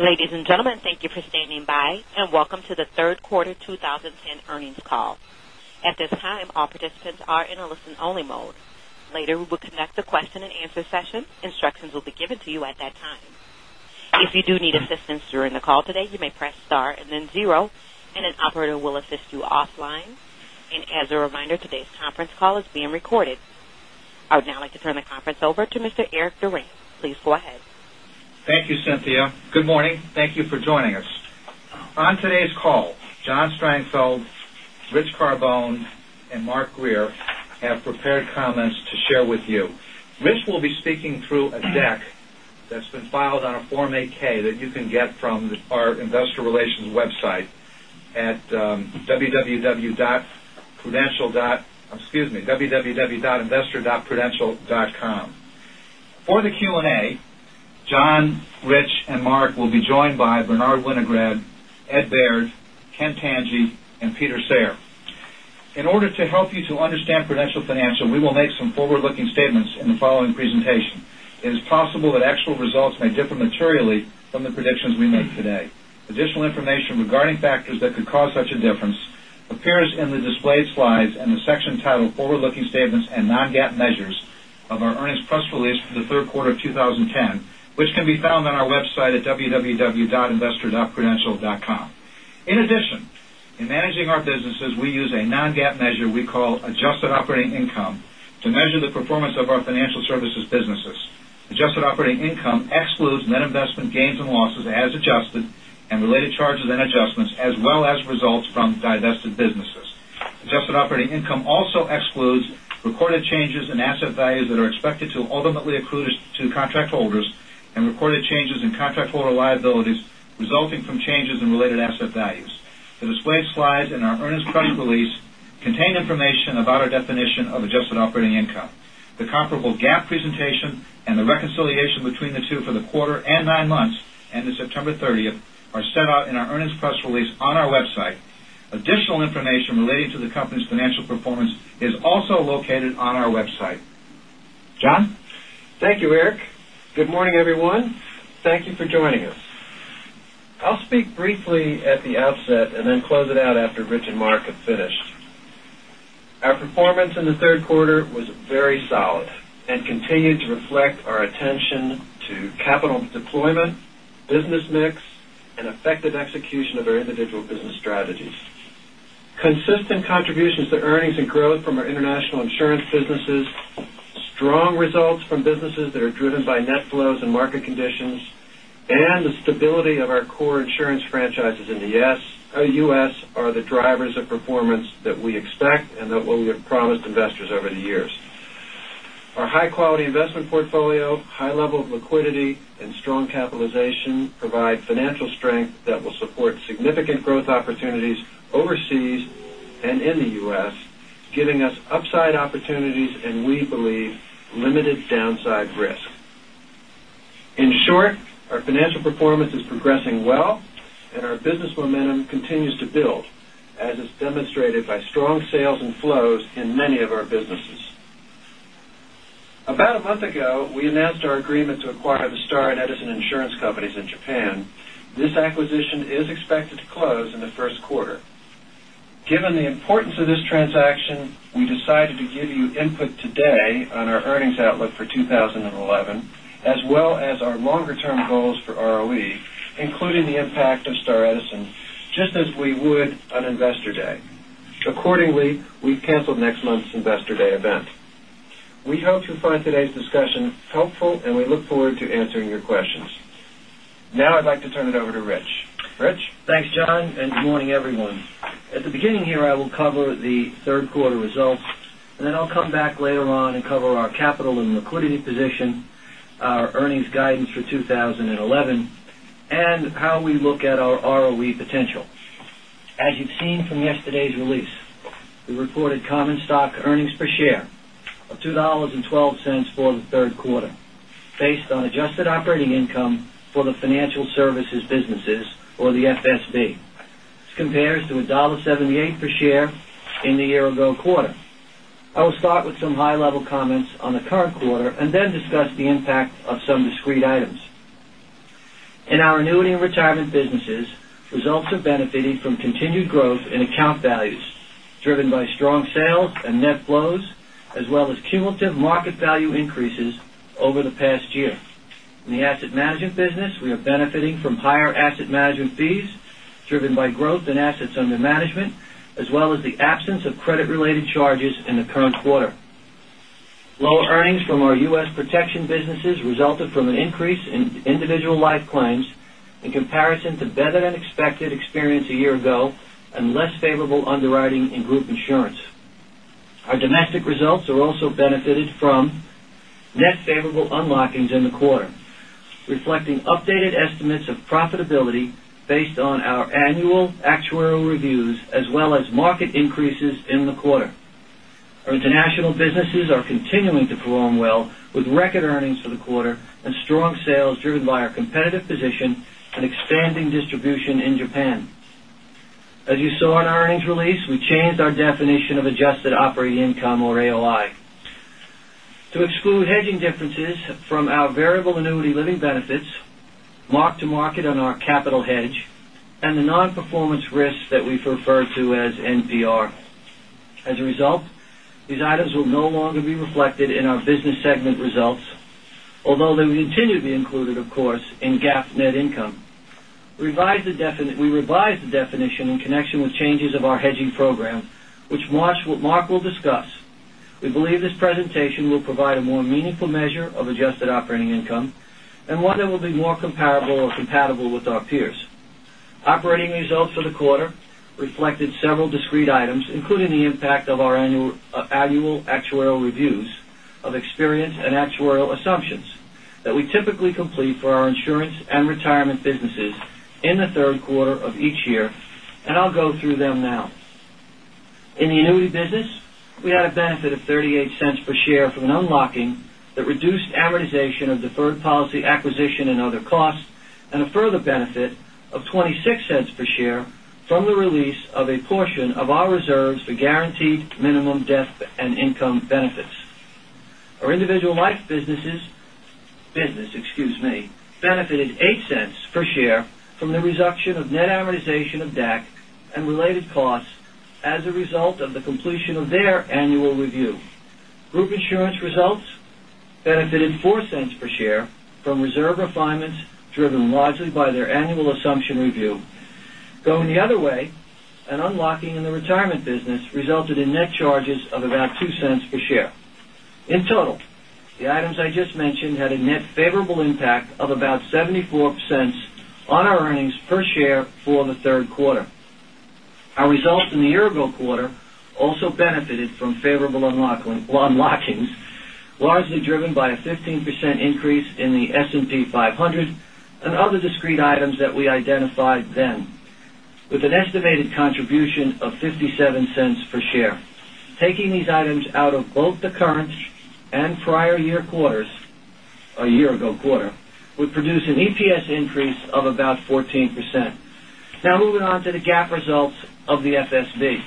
Ladies and gentlemen, thank you for standing by, and welcome to the third quarter 2010 earnings call. At this time, all participants are in a listen-only mode. Later, we will conduct a question and answer session. Instructions will be given to you at that time. If you do need assistance during the call today, you may press star 0, and an operator will assist you offline. As a reminder, today's conference call is being recorded. I would now like to turn the conference over to Mr. Eric Durant. Please go ahead. Thank you, Cynthia. Good morning. Thank you for joining us. On today's call, John Strangfeld, Rich Carbone, and Mark Grier have prepared comments to share with you. Rich will be speaking through a deck that's been filed on a Form 8-K that you can get from our investor relations website at www.investor.prudential.com. For the Q&A, John, Rich, and Mark will be joined by Bernard Winograd, Ed Baird, Ken Tanji, and Peter Sayre. In order to help you to understand Prudential Financial, we will make some forward-looking statements in the following presentation. It is possible that actual results may differ materially from the predictions we make today. Additional information regarding factors that could cause such a difference appears in the displayed slides in the section titled Forward-Looking Statements and Non-GAAP Measures of our earnings press release for the third quarter of 2010, which can be found on our website at www.investor.prudential.com. In managing our businesses, we use a non-GAAP measure we call adjusted operating income to measure the performance of our financial services businesses. Adjusted operating income excludes net investment gains and losses as adjusted and related charges and adjustments as well as results from divested businesses. Adjusted operating income also excludes recorded changes in asset values that are expected to ultimately accrue to contract holders and recorded changes in contract holder liabilities resulting from changes in related asset values. The displayed slides in our earnings press release contain information about our definition of adjusted operating income. The comparable GAAP presentation and the reconciliation between the two for the quarter and nine months ending September 30th are set out in our earnings press release on our website. Additional information relating to the company's financial performance is also located on our website. John? Thank you, Eric. Good morning, everyone. Thank you for joining us. I'll speak briefly at the outset and then close it out after Rich and Mark have finished. Our performance in the third quarter was very solid and continued to reflect our attention to capital deployment, business mix, and effective execution of our individual business strategies. Consistent contributions to earnings and growth from our international insurance businesses, strong results from businesses that are driven by net flows and market conditions, and the stability of our core insurance franchises in the U.S. are the drivers of performance that we expect and that we have promised investors over the years. Our high-quality investment portfolio, high level of liquidity, and strong capitalization provide financial strength that will support significant growth opportunities overseas and in the U.S., giving us upside opportunities and we believe limited downside risk. In short, our financial performance is progressing well and our business momentum continues to build, as is demonstrated by strong sales and flows in many of our businesses. About a month ago, we announced our agreement to acquire the Star & Edison insurance companies in Japan. This acquisition is expected to close in the first quarter. Given the importance of this transaction, we decided to give you input today on our earnings outlook for 2011 as well as our longer-term goals for ROE, including the impact of Star Edison, just as we would on Investor Day. We canceled next month's Investor Day event. We hope you find today's discussion helpful, and we look forward to answering your questions. I'd like to turn it over to Rich. Rich? Thanks, John. Good morning, everyone. At the beginning here, I will cover the third quarter results. I'll come back later on and cover our capital and liquidity position, our earnings guidance for 2011, and how we look at our ROE potential. As you've seen from yesterday's release, we recorded common stock earnings per share of $2.12 for the third quarter based on adjusted operating income for the financial services businesses or the FSB. This compares to $1.78 per share in the year-ago quarter. I will start with some high-level comments on the current quarter. I will then discuss the impact of some discrete items. In our annuity and retirement businesses, results have benefited from continued growth in account values driven by strong sales and net flows as well as cumulative market value increases over the past year. In the asset management business, we are benefiting from higher asset management fees driven by growth in assets under management as well as the absence of credit-related charges in the current quarter. Lower earnings from our U.S. protection businesses resulted from an increase in individual life claims in comparison to better-than-expected experience a year ago and less favorable underwriting in group insurance. Our domestic results are also benefited from net favorable unlockings in the quarter, reflecting updated estimates of profitability based on our annual actuarial reviews as well as market increases in the quarter. Our international businesses are continuing to perform well with record earnings for the quarter and strong sales driven by our competitive position and expanding distribution in Japan. As you saw in our earnings release, we changed our definition of adjusted operating income or AOI. To exclude hedging differences from our variable annuity living benefits, mark-to-market on our capital hedge, and the non-performance risks that we've referred to as NPR. As a result, these items will no longer be reflected in our business segment results, although they will continue to be included, of course, in GAAP net income. We revised the definition in connection with changes of our hedging program, which Mark will discuss. We believe this presentation will provide a more meaningful measure of adjusted operating income and one that will be more comparable or compatible with our peers. Operating results for the quarter reflected several discrete items, including the impact of our annual actuarial reviews of experience and actuarial assumptions that we typically complete for our insurance and retirement businesses in the third quarter of each year. I'll go through them now. In the annuity business, we had a benefit of $0.38 per share from an unlocking that reduced amortization of deferred policy acquisition and other costs, and a further benefit of $0.26 per share from the release of a portion of our reserves for guaranteed minimum death and income benefits. Our individual life business, excuse me, benefited $0.08 per share from the reduction of net amortization of DAC and related costs as a result of the completion of their annual review. Group insurance results benefited $0.04 per share from reserve refinements, driven largely by their annual assumption review. Going the other way, an unlocking in the retirement business resulted in net charges of about $0.02 per share. In total, the items I just mentioned had a net favorable impact of about $0.74 on our earnings per share for the third quarter. Our results in the year-ago quarter also benefited from favorable unlockings, largely driven by a 15% increase in the S&P 500 and other discrete items that we identified then, with an estimated contribution of $0.57 per share. Taking these items out of both the current and prior year quarters would produce an EPS increase of about 14%. Moving on to the GAAP results of the FSB.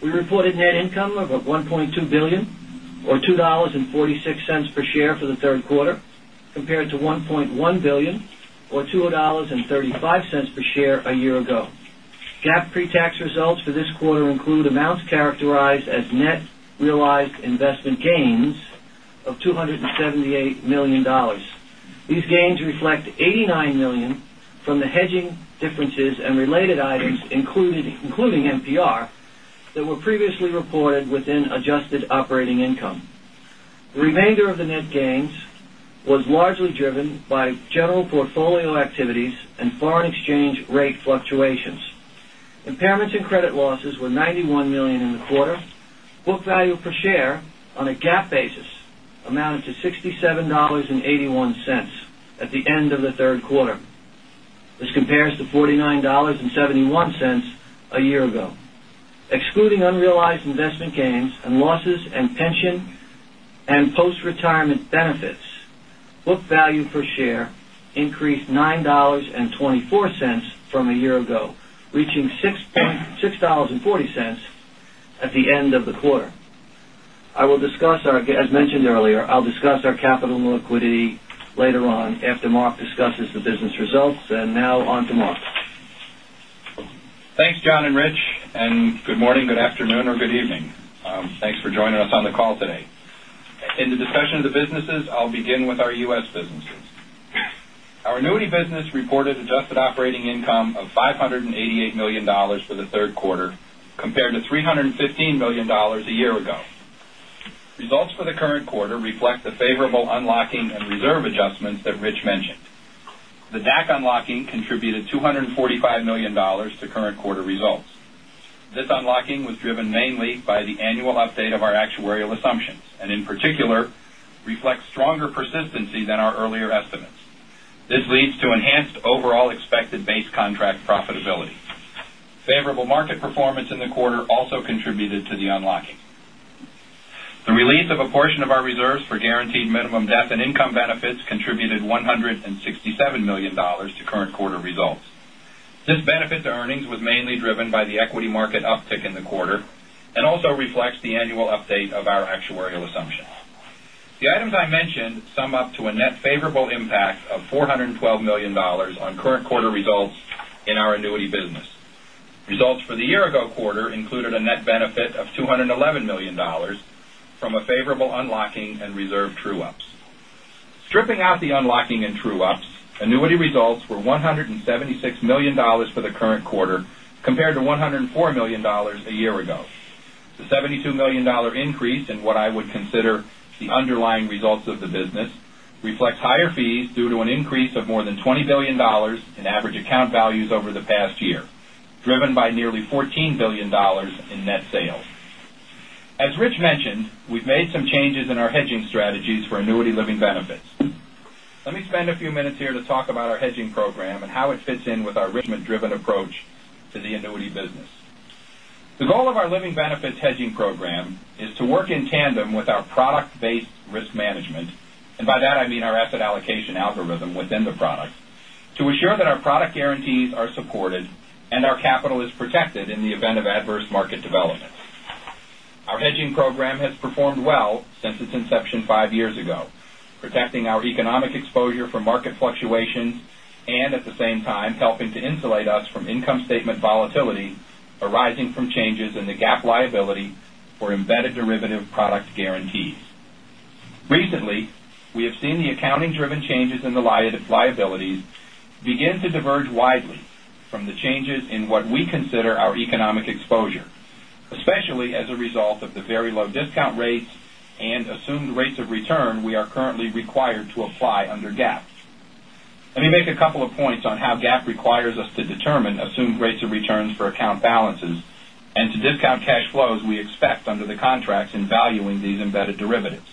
We reported net income of $1.2 billion or $2.46 per share for the third quarter, compared to $1.1 billion or $2.35 per share a year ago. GAAP pre-tax results for this quarter include amounts characterized as net realized investment gains of $278 million. These gains reflect $89 million from the hedging differences and related items, including NPR, that were previously reported within adjusted operating income. The remainder of the net gains was largely driven by general portfolio activities and foreign exchange rate fluctuations. Impairments and credit losses were $91 million in the quarter. Book value per share on a GAAP basis amounted to $67.81 at the end of the third quarter. This compares to $49.71 a year ago. Excluding unrealized investment gains and losses and pension and post-retirement benefits, book value per share increased $9.24 from a year ago, reaching $6.40 at the end of the quarter. As mentioned earlier, I'll discuss our capital and liquidity later on after Mark discusses the business results. Now on to Mark. Thanks, John and Rich, good morning, good afternoon, or good evening. Thanks for joining us on the call today. In the discussion of the businesses, I'll begin with our U.S. businesses. Our annuity business reported adjusted operating income of $588 million for the third quarter, compared to $315 million a year ago. Results for the current quarter reflect the favorable unlocking and reserve adjustments that Rich mentioned. The DAC unlocking contributed $245 million to current quarter results. This unlocking was driven mainly by the annual update of our actuarial assumptions, and in particular, reflects stronger persistency than our earlier estimates. This leads to enhanced overall expected base contract profitability. Favorable market performance in the quarter also contributed to the unlocking. The release of a portion of our reserves for guaranteed minimum death and income benefits contributed $167 million to current quarter results. This benefit to earnings was mainly driven by the equity market uptick in the quarter and also reflects the annual update of our actuarial assumptions. The items I mentioned sum up to a net favorable impact of $412 million on current quarter results in our annuity business. Results for the year-ago quarter included a net benefit of $211 million from a favorable unlocking and reserve true-ups. Stripping out the unlocking and true-ups, annuity results were $176 million for the current quarter compared to $104 million a year ago. The $72 million increase in what I would consider the underlying results of the business reflects higher fees due to an increase of more than $20 billion in average account values over the past year, driven by nearly $14 billion in net sales. As Rich mentioned, we've made some changes in our hedging strategies for annuity living benefits. Let me spend a few minutes here to talk about our hedging program and how it fits in with our risk-driven approach to the annuity business. The goal of our living benefits hedging program is to work in tandem with our product-based risk management, and by that I mean our asset allocation algorithm within the product to assure that our product guarantees are supported and our capital is protected in the event of adverse market developments. Our hedging program has performed well since its inception five years ago, protecting our economic exposure from market fluctuations and, at the same time, helping to insulate us from income statement volatility arising from changes in the GAAP liability for embedded derivative product guarantees. Recently, we have seen the accounting-driven changes in the liabilities begin to diverge widely from the changes in what we consider our economic exposure, especially as a result of the very low discount rates and assumed rates of return we are currently required to apply under GAAP. Let me make a couple of points on how GAAP requires us to determine assumed rates of returns for account balances and to discount cash flows we expect under the contracts in valuing these embedded derivatives.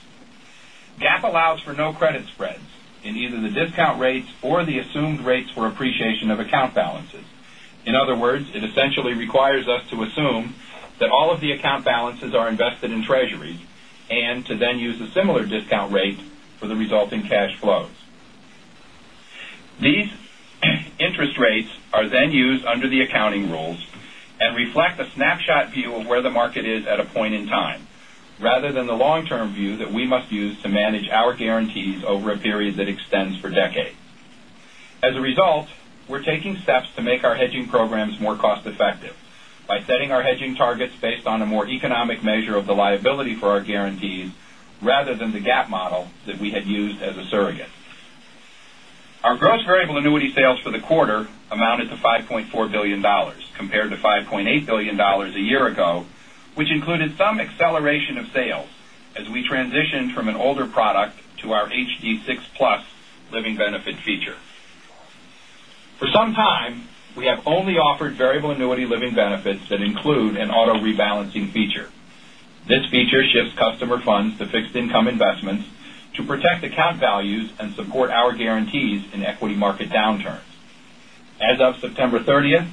GAAP allows for no credit spreads in either the discount rates or the assumed rates for appreciation of account balances. In other words, it essentially requires us to assume that all of the account balances are invested in Treasury and to then use a similar discount rate for the resulting cash flows. These interest rates are then used under the accounting rules and reflect a snapshot view of where the market is at a point in time, rather than the long-term view that we must use to manage our guarantees over a period that extends for decades. As a result, we're taking steps to make our hedging programs more cost effective by setting our hedging targets based on a more economic measure of the liability for our guarantees rather than the GAAP model that we had used as a surrogate. Our gross variable annuity sales for the quarter amounted to $5.4 billion compared to $5.8 billion a year ago, which included some acceleration of sales as we transitioned from an older product to our HD6+ living benefit feature. For some time, we have only offered variable annuity living benefits that include an auto-rebalancing feature. This feature shifts customer funds to fixed income investments to protect account values and support our guarantees in equity market downturns. As of September 30th,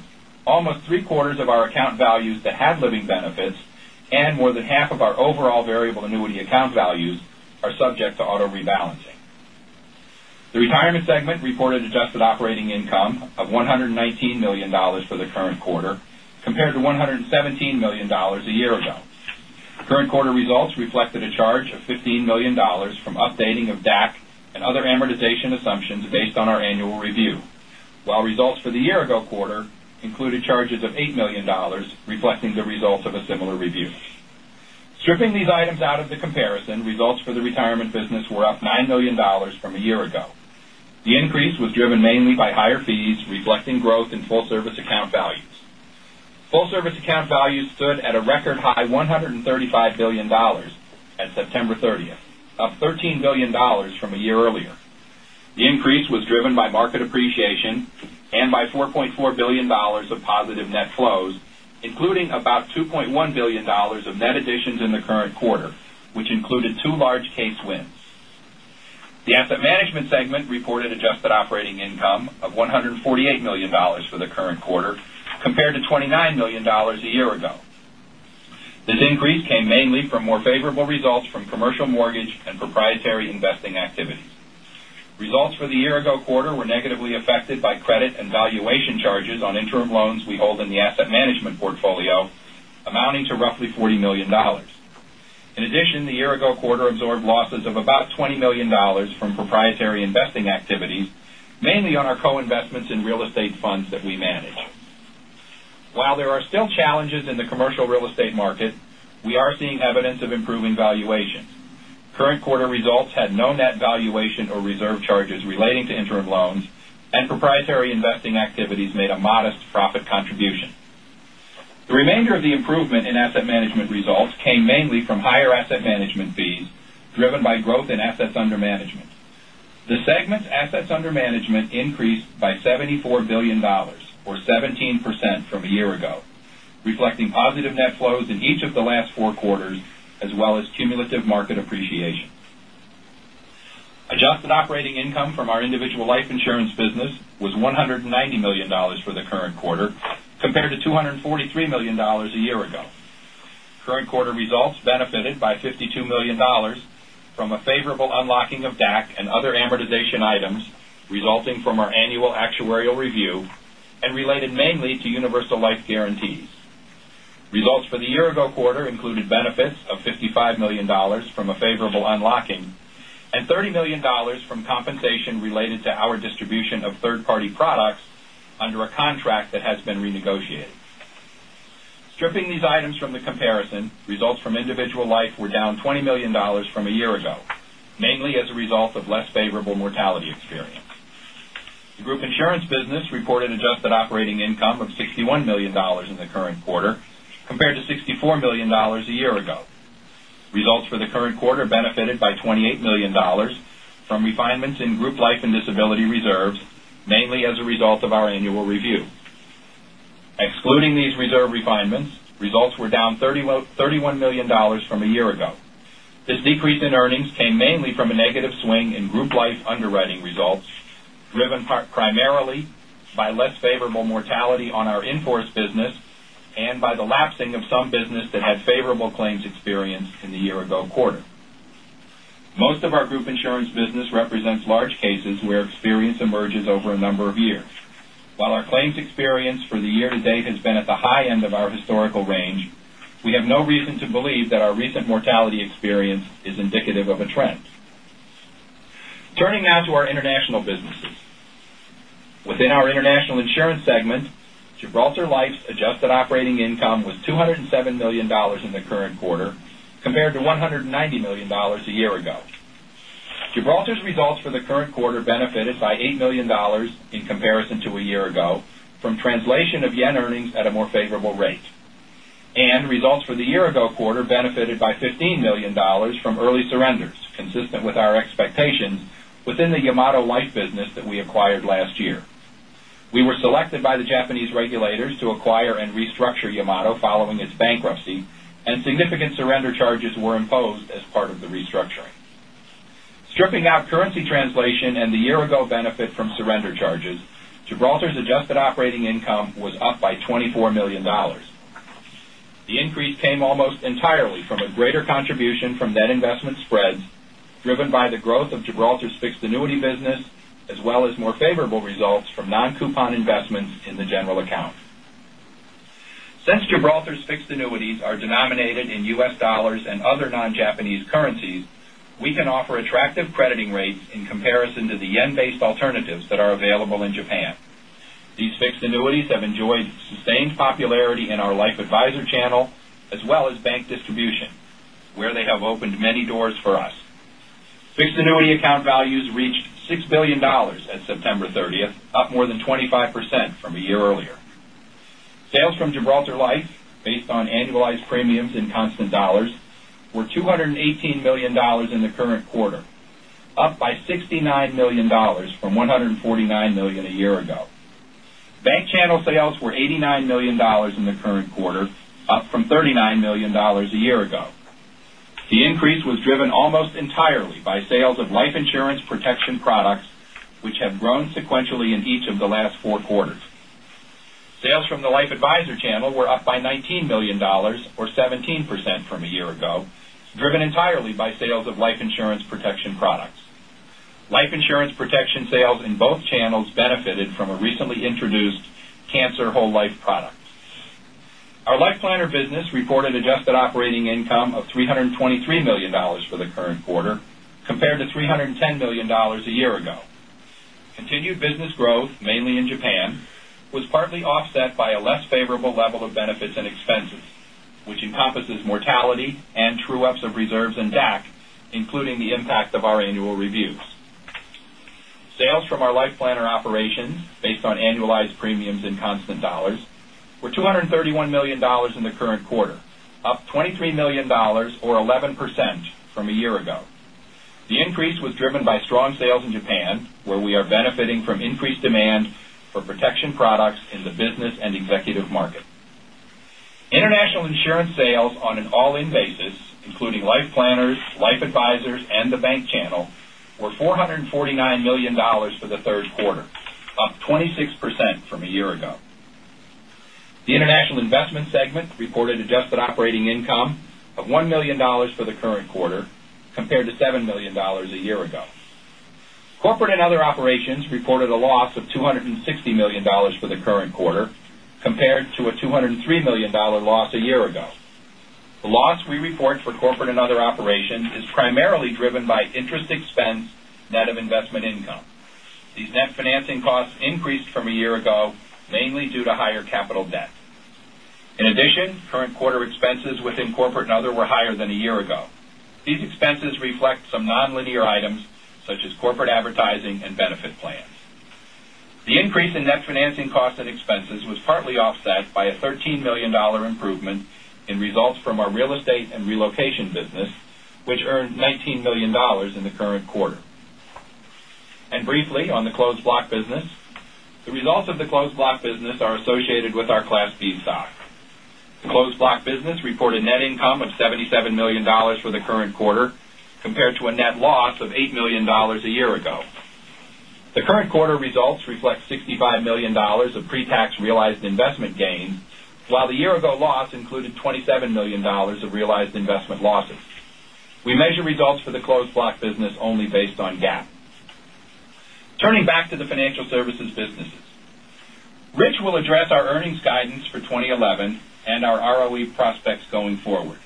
almost three-quarters of our account values that have living benefits and more than half of our overall variable annuity account values are subject to auto-rebalancing. The Retirement segment reported adjusted operating income of $119 million for the current quarter compared to $117 million a year ago. Current quarter results reflected a charge of $15 million from updating of DAC and other amortization assumptions based on our annual review. While results for the year-ago quarter included charges of $8 million reflecting the results of a similar review. Stripping these items out of the comparison, results for the Retirement business were up $9 million from a year ago. The increase was driven mainly by higher fees reflecting growth in full service account values. Full service account values stood at a record high $135 billion at September 30th, up $13 billion from a year earlier. The increase was driven by market appreciation and by $4.4 billion of positive net flows, including about $2.1 billion of net additions in the current quarter, which included two large case wins. The Asset Management segment reported adjusted operating income of $148 million for the current quarter compared to $29 million a year ago. This increase came mainly from more favorable results from commercial mortgage and proprietary investing activity. Results for the year-ago quarter were negatively affected by credit and valuation charges on interim loans we hold in the Asset Management portfolio, amounting to roughly $40 million. In addition, the year-ago quarter absorbed losses of about $20 million from proprietary investing activities, mainly on our co-investments in real estate funds that we manage. While there are still challenges in the commercial real estate market, we are seeing evidence of improving valuations. Current quarter results had no net valuation or reserve charges relating to interim loans, and proprietary investing activities made a modest profit contribution. The remainder of the improvement in Asset Management results came mainly from higher asset management fees driven by growth in assets under management. The segment's assets under management increased by $74 billion or 17% from a year ago, reflecting positive net flows in each of the last four quarters as well as cumulative market appreciation. Adjusted operating income from our Individual Life insurance business was $190 million for the current quarter compared to $243 million a year ago. Current quarter results benefited by $52 million from a favorable unlocking of DAC and other amortization items resulting from our annual actuarial review and related mainly to universal life guarantees. Results for the year-ago quarter included benefits of $55 million from a favorable unlocking and $30 million from compensation related to our distribution of third-party products under a contract that has been renegotiated. Stripping these items from the comparison, results from Individual Life were down $20 million from a year ago, mainly as a result of less favorable mortality experience. The Group Insurance business reported adjusted operating income of $61 million in the current quarter compared to $64 million a year ago. Results for the current quarter benefited by $28 million from refinements in group life and disability reserves, mainly as a result of our annual review. Excluding these reserve refinements, results were down $31 million from a year ago. This decrease in earnings came mainly from a negative swing in group life underwriting results, driven primarily by less favorable mortality on our in-force business and by the lapsing of some business that had favorable claims experience in the year-ago quarter. Most of our group insurance business represents large cases where experience emerges over a number of years. While our claims experience for the year-to-date has been at the high end of our historical range, we have no reason to believe that our recent mortality experience is indicative of a trend. Turning now to our international businesses. Within our international insurance segment, Gibraltar Life's adjusted operating income was $207 million in the current quarter compared to $190 million a year ago. Gibraltar's results for the current quarter benefited by $8 million in comparison to a year ago from translation of yen earnings at a more favorable rate, and results for the year-ago quarter benefited by $15 million from early surrenders, consistent with our expectations within the Yamato Life business that we acquired last year. We were selected by the Japanese regulators to acquire and restructure Yamato following its bankruptcy, and significant surrender charges were imposed as part of the restructuring. Stripping out currency translation and the year-ago benefit from surrender charges, Gibraltar's adjusted operating income was up by $24 million. The increase came almost entirely from a greater contribution from net investment spreads, driven by the growth of Gibraltar's fixed annuity business, as well as more favorable results from non-coupon investments in the general account. Since Gibraltar's fixed annuities are denominated in US dollars and other non-Japanese currencies, we can offer attractive crediting rates in comparison to the yen-based alternatives that are available in Japan. These fixed annuities have enjoyed sustained popularity in our life advisor channel as well as bank distribution, where they have opened many doors for us. Fixed annuity account values reached $6 billion at September 30th, up more than 25% from a year earlier. Sales from Gibraltar Life, based on annualized premiums in constant dollars, were $218 million in the current quarter, up by $69 million from $149 million a year ago. Bank channel sales were $89 million in the current quarter, up from $39 million a year ago. The increase was driven almost entirely by sales of life insurance protection products, which have grown sequentially in each of the last four quarters. Sales from the life advisor channel were up by $19 million or 17% from a year ago, driven entirely by sales of life insurance protection products. Life insurance protection sales in both channels benefited from a recently introduced cancer whole life product. Our LifePlanner business reported adjusted operating income of $323 million for the current quarter, compared to $310 million a year ago. Continued business growth, mainly in Japan, was partly offset by a less favorable level of benefits and expenses, which encompasses mortality and true-ups of reserves in DAC, including the impact of our annual reviews. Sales from our LifePlanner operations, based on annualized premiums in constant dollars, were $231 million in the current quarter, up $23 million or 11% from a year ago. The increase was driven by strong sales in Japan, where we are benefiting from increased demand for protection products in the business and executive market. International insurance sales on an all-in basis, including LifePlanners, life advisors, and the bank channel, were $449 million for the third quarter, up 26% from a year ago. The international investment segment reported adjusted operating income of $1 million for the current quarter, compared to $7 million a year ago. Corporate and other operations reported a loss of $260 million for the current quarter compared to a $203 million loss a year ago. The loss we report for corporate and other operations is primarily driven by interest expense net of investment income. These net financing costs increased from a year ago, mainly due to higher capital debt. Current quarter expenses within corporate and other were higher than a year ago. These expenses reflect some nonlinear items such as corporate advertising and benefit plans. The increase in net financing costs and expenses was partly offset by a $13 million improvement in results from our real estate and relocation business, which earned $19 million in the current quarter. Briefly on the closed block business. The results of the closed block business are associated with our Class B stock. The closed block business reported net income of $77 million for the current quarter, compared to a net loss of $8 million a year ago. The current quarter results reflect $65 million of pre-tax realized investment gains, while the year-ago loss included $27 million of realized investment losses. We measure results for the closed block business only based on GAAP. Turning back to the financial services businesses. Rich will address our earnings guidance for 2011 and our ROE prospects going forward.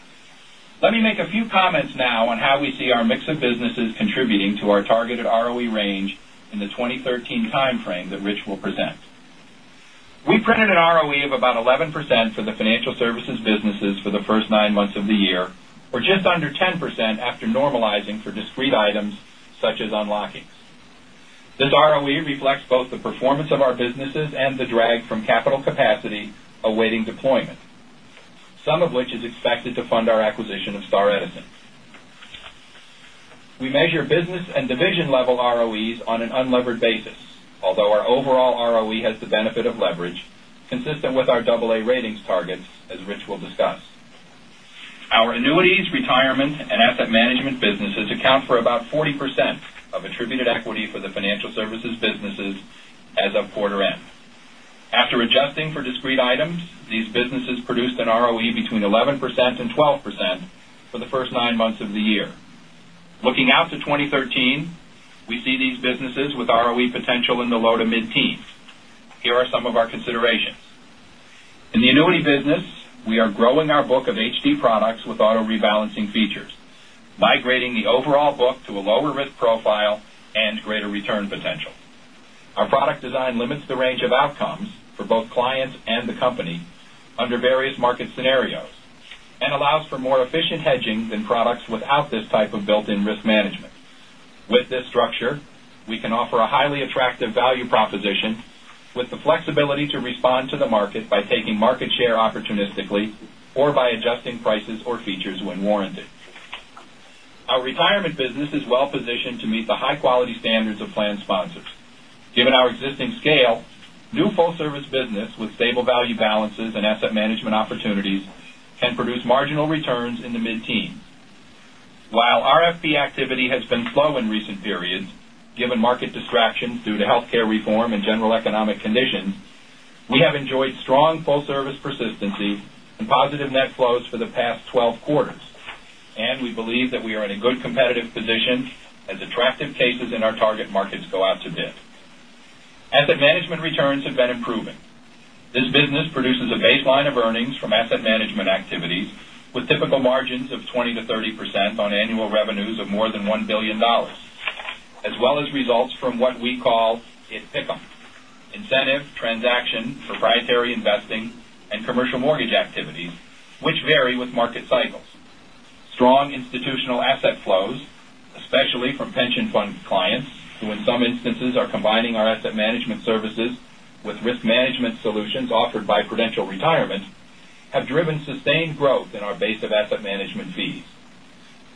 Let me make a few comments now on how we see our mix of businesses contributing to our targeted ROE range in the 2013 timeframe that Rich will present. We printed an ROE of about 11% for the financial services businesses for the first nine months of the year, or just under 10% after normalizing for discrete items such as unlockings. This ROE reflects both the performance of our businesses and the drag from capital capacity awaiting deployment, some of which is expected to fund our acquisition of Star Edison. We measure business and division level ROEs on an unlevered basis. Although our overall ROE has the benefit of leverage consistent with our double A ratings targets, as Rich will discuss. Our annuities, retirement, and asset management businesses account for about 40% of attributed equity for the financial services businesses as of quarter end. After adjusting for discrete items, these businesses produced an ROE between 11% and 12% for the first nine months of the year. Looking out to 2013, we see these businesses with ROE potential in the low to mid-teens. Here are some of our considerations. In the annuity business, we are growing our book of HD products with auto-rebalancing features, migrating the overall book to a lower risk profile and greater return potential. Our product design limits the range of outcomes for both clients and the company under various market scenarios and allows for more efficient hedging than products without this type of built-in risk management. With this structure, we can offer a highly attractive value proposition with the flexibility to respond to the market by taking market share opportunistically or by adjusting prices or features when warranted. Our retirement business is well positioned to meet the high-quality standards of plan sponsors. Given our existing scale, new full-service business with stable value balances and asset management opportunities can produce marginal returns in the mid-teens. While RFP activity has been slow in recent periods, given market distractions due to healthcare reform and general economic conditions, we have enjoyed strong full service persistency and positive net flows for the past 12 quarters, we believe that we are in a good competitive position as attractive cases in our target markets go out to bid. Asset management returns have been improving. This business produces a baseline of earnings from asset management activities with typical margins of 20%-30% on annual revenues of more than $1 billion, as well as results from what we call ITPICUM, incentive, transaction, proprietary investing, and commercial mortgage activities, which vary with market cycles. Strong institutional asset flows, especially from pension fund clients who in some instances are combining our asset management services with risk management solutions offered by Prudential Retirement, have driven sustained growth in our base of asset management fees.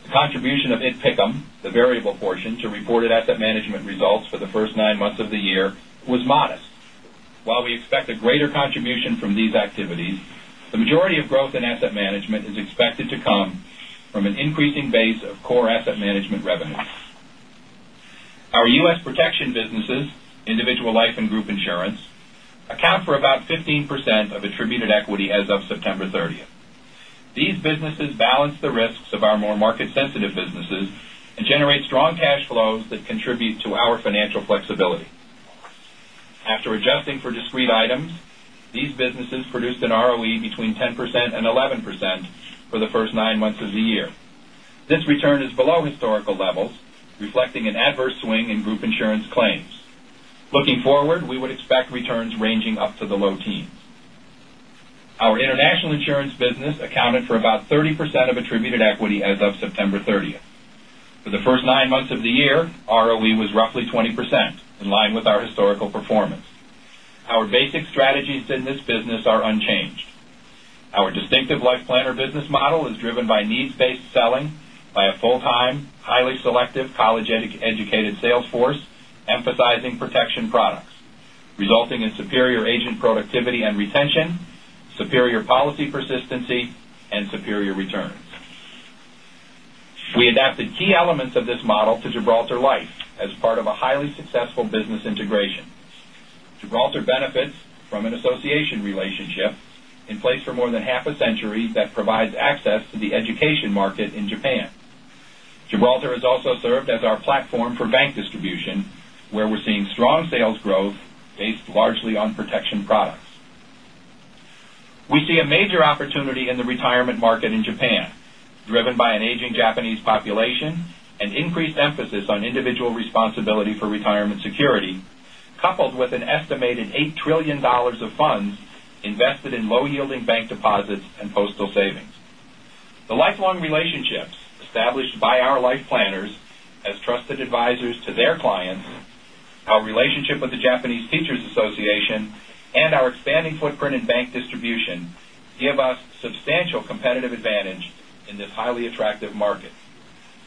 The contribution of ITPICUM, the variable portion to reported asset management results for the first nine months of the year, was modest. While we expect a greater contribution from these activities, the majority of growth in asset management is expected to come from an increasing base of core asset management revenues. Our U.S. protection businesses, individual life and group insurance, account for about 15% of attributed equity as of September 30th. These businesses balance the risks of our more market-sensitive businesses and generate strong cash flows that contribute to our financial flexibility. After adjusting for discrete items, these businesses produced an ROE between 10% and 11% for the first nine months of the year. This return is below historical levels, reflecting an adverse swing in group insurance claims. Looking forward, we would expect returns ranging up to the low teens. Our international insurance business accounted for about 30% of attributed equity as of September 30th. For the first nine months of the year, ROE was roughly 20%, in line with our historical performance. Our basic strategies in this business are unchanged. Our distinctive life planner business model is driven by needs-based selling by a full-time, highly selective, college-educated sales force, emphasizing protection products, resulting in superior agent productivity and retention, superior policy persistency, and superior returns. We adapted key elements of this model to Gibraltar Life as part of a highly successful business integration. Gibraltar benefits from an association relationship in place for more than half a century that provides access to the education market in Japan. Gibraltar has also served as our platform for bank distribution, where we're seeing strong sales growth based largely on protection products. We see a major opportunity in the retirement market in Japan, driven by an aging Japanese population and increased emphasis on individual responsibility for retirement security, coupled with an estimated $8 trillion of funds invested in low-yielding bank deposits and postal savings. The lifelong relationships established by our life planners as trusted advisors to their clients, our relationship with the Japanese Teachers Association, and our expanding footprint in bank distribution give us substantial competitive advantage in this highly attractive market.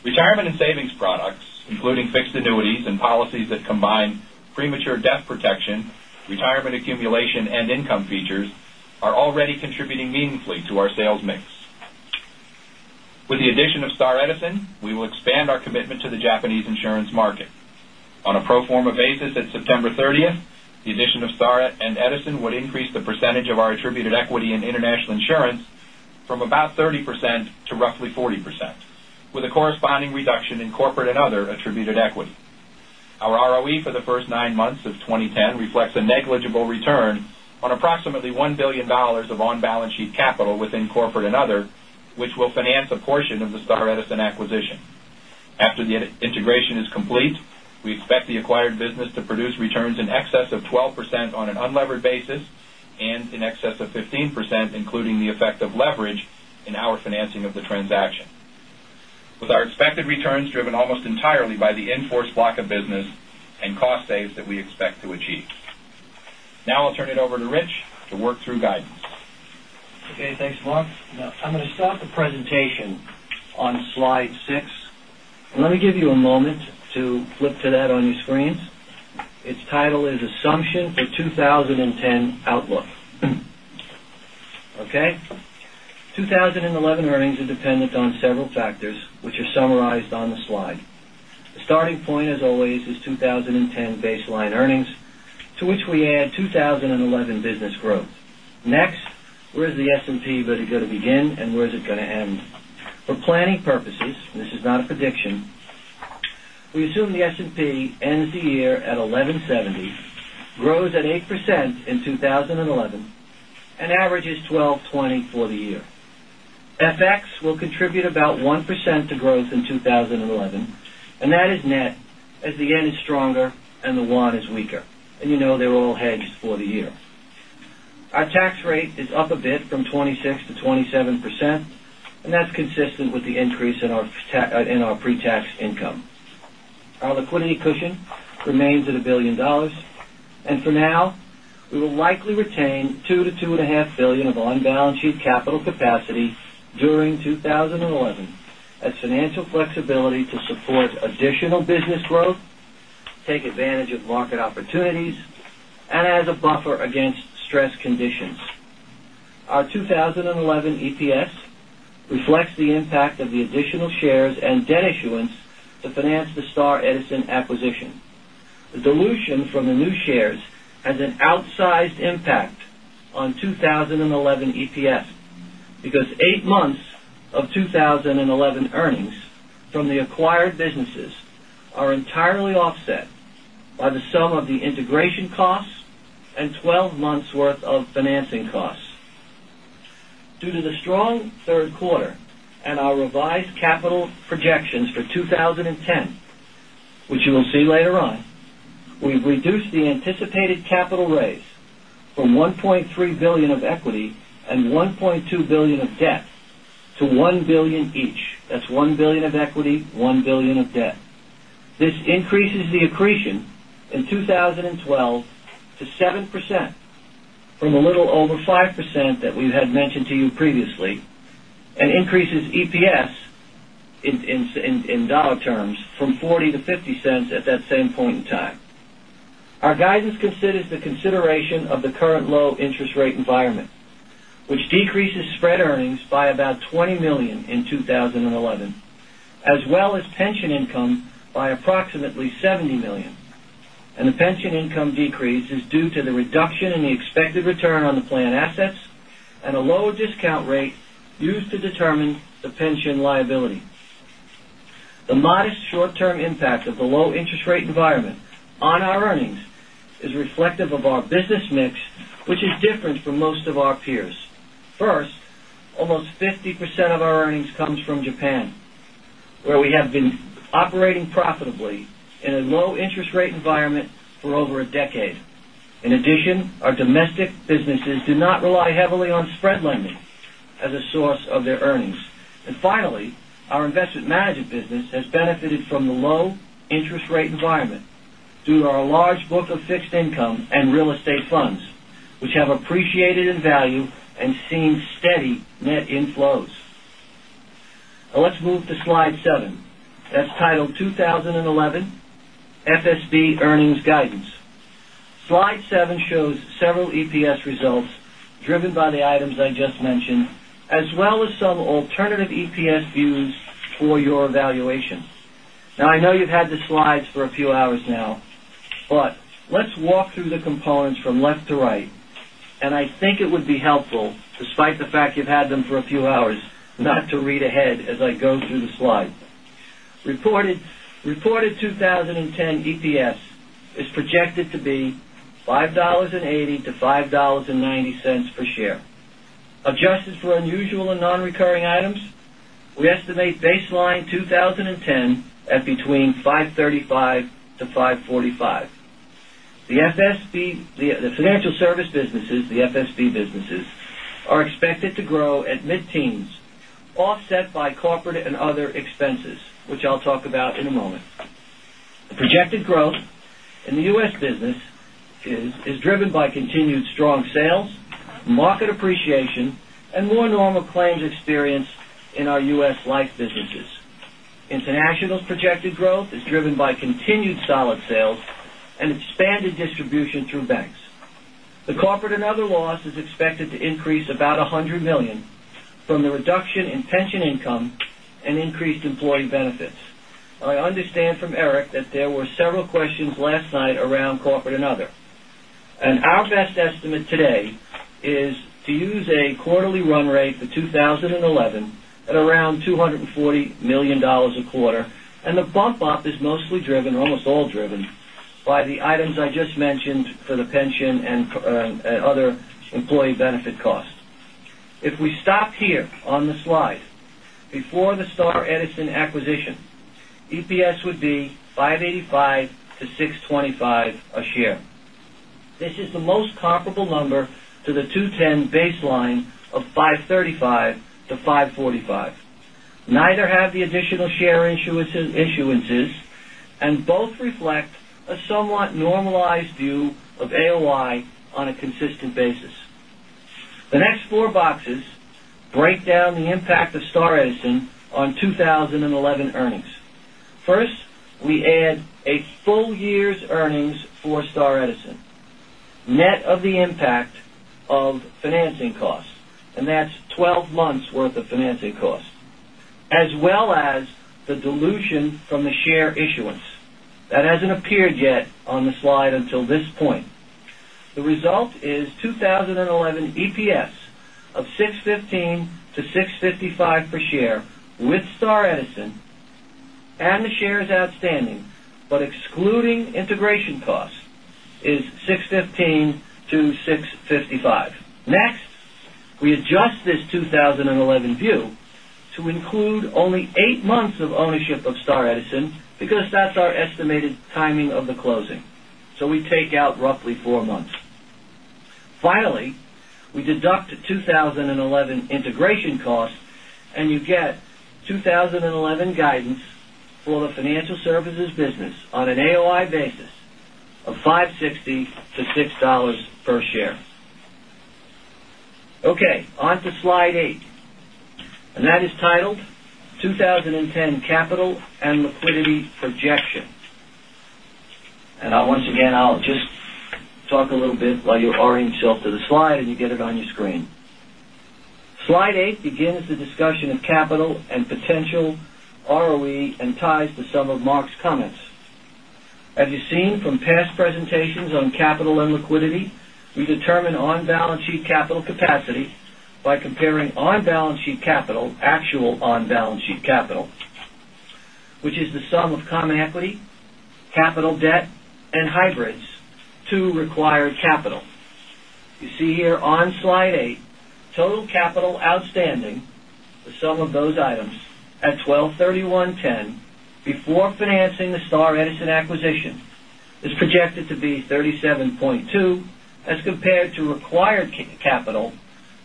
Retirement and savings products, including fixed annuities and policies that combine premature death protection, retirement accumulation, and income features, are already contributing meaningfully to our sales mix. With the addition of Star Edison, we will expand our commitment to the Japanese insurance market. On a pro forma basis at September 30th, the addition of Star and Edison would increase the percentage of our attributed equity in international insurance from about 30% to roughly 40%, with a corresponding reduction in corporate and other attributed equity. Our ROE for the first nine months of 2010 reflects a negligible return on approximately $1 billion of on-balance sheet capital within corporate and other, which will finance a portion of the Star Edison acquisition. After the integration is complete, we expect the acquired business to produce returns in excess of 12% on an unlevered basis and in excess of 15%, including the effect of leverage in our financing of the transaction, with our expected returns driven almost entirely by the in-force block of business and cost saves that we expect to achieve. I'll turn it over to Rich to work through guidance. Thanks, Mark. I'm going to start the presentation on slide six. Let me give you a moment to flip to that on your screens. Its title is Assumption for 2010 Outlook. 2011 earnings are dependent on several factors, which are summarized on the slide. The starting point, as always, is 2010 baseline earnings, to which we add 2011 business growth. Next, where is the S&P going to begin, and where is it going to end? For planning purposes, this is not a prediction, we assume the S&P ends the year at 1,170, grows at 8% in 2011, and averages 1,220 for the year. FX will contribute about 1% to growth in 2011, and that is net, as the JPY is stronger and the KRW is weaker. You know they're all hedged for the year. Our tax rate is up a bit from 26%-27%, and that's consistent with the increase in our pre-tax income. Our liquidity cushion remains at $1 billion. For now, we will likely retain $2 billion-$2.5 billion of on-balance sheet capital capacity during 2011 as financial flexibility to support additional business growth, take advantage of market opportunities, and as a buffer against stress conditions. Our 2011 EPS reflects the impact of the additional shares and debt issuance to finance the Star Edison acquisition. The dilution from the new shares has an outsized impact on 2011 EPS, because eight months of 2011 earnings from the acquired businesses are entirely offset by the sum of the integration costs and 12 months' worth of financing costs. Due to the strong third quarter and our revised capital projections for 2010, which you will see later on, we've reduced the anticipated capital raise from $1.3 billion of equity and $1.2 billion of debt to $1 billion each. That's $1 billion of equity, $1 billion of debt. This increases the accretion in 2012 to 7% from a little over 5% that we had mentioned to you previously, and increases EPS in dollar terms from $0.40 to $0.50 at that same point in time. Our guidance considers the consideration of the current low interest rate environment, which decreases spread earnings by about $20 million in 2011, as well as pension income by approximately $70 million. The pension income decrease is due to the reduction in the expected return on the plan assets and a lower discount rate used to determine the pension liability. The modest short-term impact of the low interest rate environment on our earnings is reflective of our business mix, which is different from most of our peers. First, almost 50% of our earnings comes from Japan, where we have been operating profitably in a low interest rate environment for over a decade. In addition, our domestic businesses do not rely heavily on spread lending as a source of their earnings. Finally, our investment management business has benefited from the low interest rate environment due to our large book of fixed income and real estate funds, which have appreciated in value and seen steady net inflows. Let's move to slide seven. That's titled 2011 FSB earnings guidance. Slide seven shows several EPS results driven by the items I just mentioned, as well as some alternative EPS views for your evaluation. I know you've had the slides for a few hours now, but let's walk through the components from left to right, and I think it would be helpful, despite the fact you've had them for a few hours, not to read ahead as I go through the slides. Reported 2010 EPS is projected to be $5.80 to $5.90 per share. Adjusted for unusual and non-recurring items, we estimate baseline 2010 at between $5.35 to $5.45. The financial service businesses, the FSB businesses, are expected to grow at mid-teens, offset by corporate and other expenses, which I'll talk about in a moment. The projected growth in the U.S. business is driven by continued strong sales, market appreciation, and more normal claims experience in our U.S. life businesses. International's projected growth is driven by continued solid sales and expanded distribution through banks. The corporate and other loss is expected to increase about $100 million from the reduction in pension income and increased employee benefits. I understand from Eric that there were several questions last night around corporate and other. Our best estimate today is to use a quarterly run rate for 2011 at around $240 million a quarter, and the bump up is mostly driven, or almost all driven, by the items I just mentioned for the pension and other employee benefit costs. If we stopped here on the slide, before the Star Edison acquisition, EPS would be $5.85 to $6.25 a share. This is the most comparable number to the 2010 baseline of $5.35 to $5.45. Neither have the additional share issuances, and both reflect a somewhat normalized view of AOI on a consistent basis. The next four boxes break down the impact of Star Edison on 2011 earnings. First, we add a full year's earnings for Star Edison, net of the impact of financing costs. That's 12 months worth of financing costs, as well as the dilution from the share issuance. That hasn't appeared yet on the slide until this point. The result is 2011 EPS of $6.15-$6.55 per share with Star Edison and the shares outstanding, but excluding integration costs, is $6.15-$6.55. Next, we adjust this 2011 view to include only eight months of ownership of Star Edison, because that's our estimated timing of the closing. We take out roughly four months. Finally, we deduct the 2011 integration cost, you get 2011 guidance for the financial services business on an AOI basis of $5.60-$6 per share. Okay, on to slide eight. That is titled "2010 Capital and Liquidity Projection." Once again, I'll just talk a little bit while you orient yourself to the slide, you get it on your screen. Slide eight begins the discussion of capital and potential ROE and ties to some of Mark's comments. As you've seen from past presentations on capital and liquidity, we determine on-balance-sheet capital capacity by comparing on-balance-sheet capital, actual on-balance-sheet capital, which is the sum of common equity, capital debt, and hybrids to required capital. You see here on slide eight, total capital outstanding, the sum of those items at 12/31/10 before financing the Star Edison acquisition, is projected to be $37.2, as compared to required capital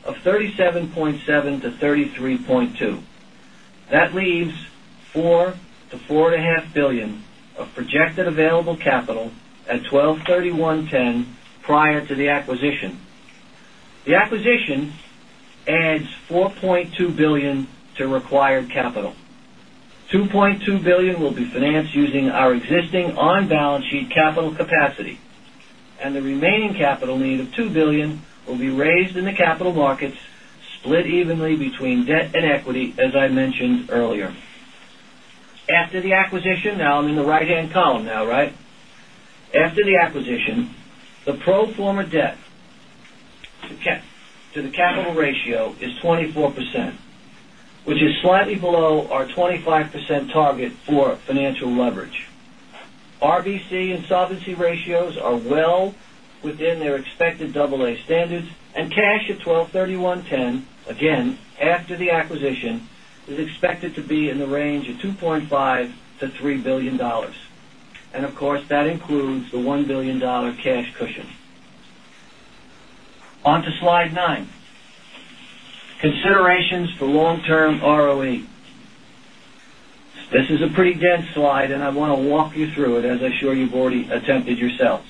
of $37.7-$33.2. That leaves $4 billion-$4.5 billion of projected available capital at 12/31/10 prior to the acquisition. The acquisition adds $4.2 billion to required capital. $2.2 billion will be financed using our existing on-balance-sheet capital capacity. The remaining capital need of $2 billion will be raised in the capital markets, split evenly between debt and equity, as I mentioned earlier. After the acquisition, now I'm in the right-hand column now. After the acquisition, the pro forma debt to the capital ratio is 24%, which is slightly below our 25% target for financial leverage. RBC and solvency ratios are well within their expected double A standards, cash at 12/31/10, again, after the acquisition, is expected to be in the range of $2.5 billion-$3 billion. Of course, that includes the $1 billion cash cushion. On to slide nine, Considerations for Long-Term ROE. This is a pretty dense slide, I want to walk you through it, as I'm sure you've already attempted yourselves.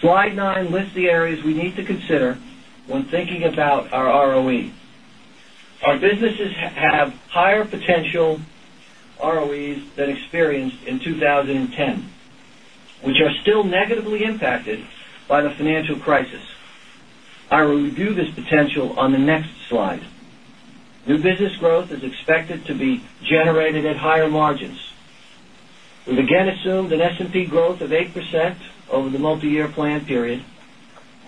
Slide nine lists the areas we need to consider when thinking about our ROE. Our businesses have higher potential ROEs than experienced in 2010, which are still negatively impacted by the financial crisis. I will review this potential on the next slide. New business growth is expected to be generated at higher margins. We've again assumed an S&P growth of 8% over the multi-year plan period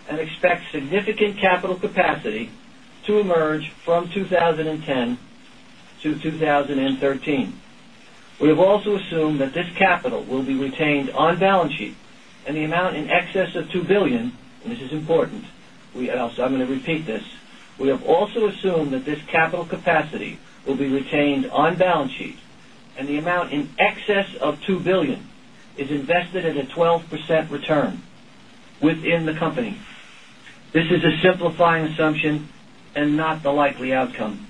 and expect significant capital capacity to emerge from 2010-2013. We have also assumed that this capital will be retained on balance sheet, the amount in excess of $2 billion. This is important. I'm going to repeat this. We have also assumed that this capital capacity will be retained on balance sheet, the amount in excess of $2 billion is invested at a 12% return within the company. This is a simplifying assumption and not the likely outcome.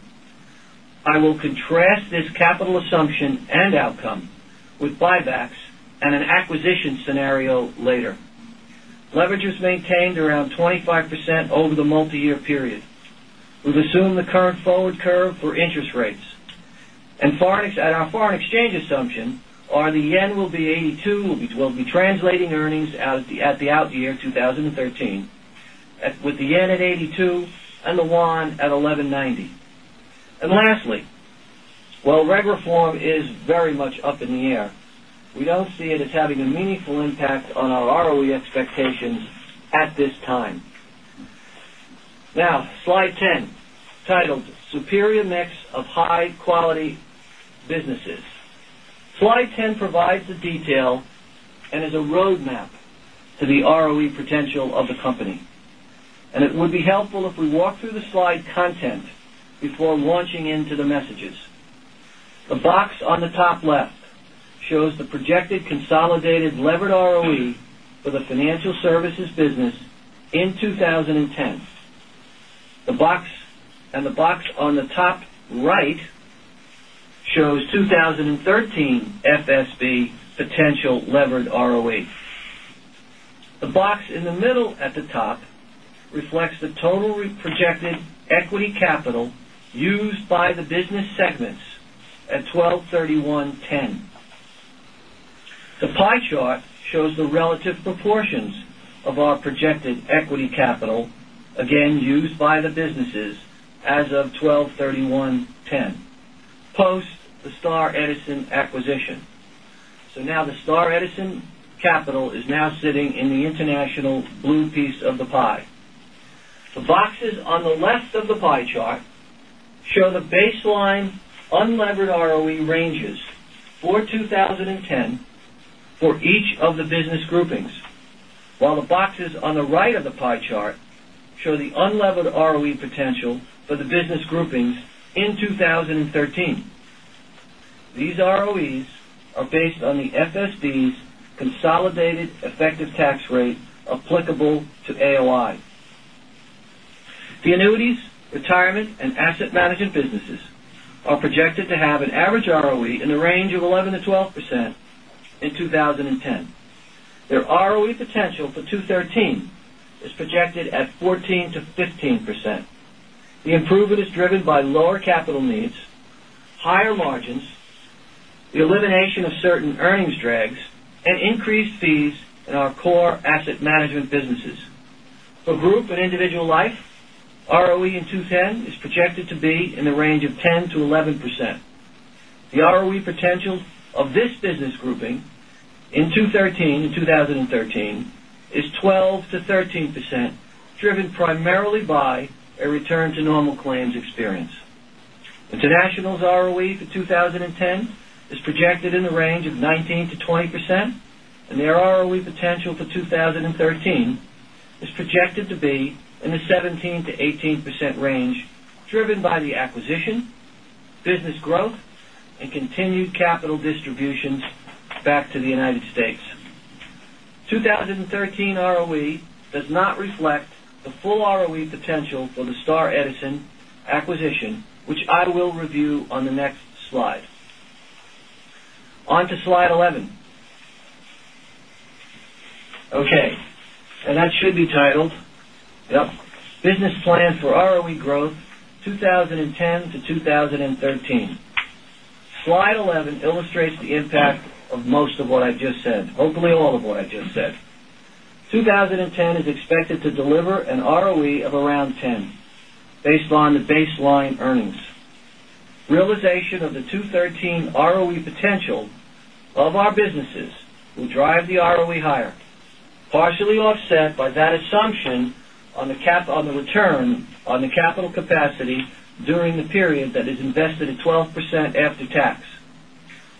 I will contrast this capital assumption and outcome with buybacks and an acquisition scenario later. Leverage is maintained around 25% over the multi-year period. We've assumed the current forward curve for interest rates. Our foreign exchange assumption are the JPY will be 82. We'll be translating earnings at the out year 2013 with the JPY at 82 and the KRW at 1,190. Lastly, while reg reform is very much up in the air, we don't see it as having a meaningful impact on our ROE expectations at this time. Slide 10, titled "Superior Mix of High-Quality Businesses." Slide 10 provides the detail and is a roadmap to the ROE potential of the company. It would be helpful if we walk through the slide content before launching into the messages. The box on the top left shows the projected consolidated levered ROE for the financial services business in 2010. The box on the top right shows 2013 FSB potential levered ROE. The box in the middle at the top reflects the total projected equity capital used by the business segments at 12/31/2010. The pie chart shows the relative proportions of our projected equity capital, again, used by the businesses as of 12/31/2010, post the Star Edison acquisition. Now the Star Edison capital is now sitting in the international blue piece of the pie. The boxes on the left of the pie chart show the baseline unlevered ROE ranges for 2010 for each of the business groupings, while the boxes on the right of the pie chart show the unlevered ROE potential for the business groupings in 2013. These ROEs are based on the FSB's consolidated effective tax rate applicable to AOI. The annuities, retirement, and asset management businesses are projected to have an average ROE in the range of 11%-12% in 2010. Their ROE potential for 2013 is projected at 14%-15%. The improvement is driven by lower capital needs, higher margins, the elimination of certain earnings drags, and increased fees in our core asset management businesses. For group and individual life, ROE in 2010 is projected to be in the range of 10%-11%. The ROE potential of this business grouping in 2013 is 12%-13%, driven primarily by a return to normal claims experience. International's ROE for 2010 is projected in the range of 19%-20%. Their ROE potential for 2013 is projected to be in the 17%-18% range, driven by the acquisition, business growth, and continued capital distributions back to the U.S. 2013 ROE does not reflect the full ROE potential for the Star Edison acquisition, which I will review on the next slide. On to slide 11. Okay. That should be titled Business Plan for ROE Growth 2010 to 2013. Slide 11 illustrates the impact of most of what I just said, hopefully all of what I just said. 2010 is expected to deliver an ROE of around 10% based on the baseline earnings. Realization of the 2013 ROE potential of our businesses will drive the ROE higher, partially offset by that assumption on the return on the capital capacity during the period that is invested at 12% after-tax,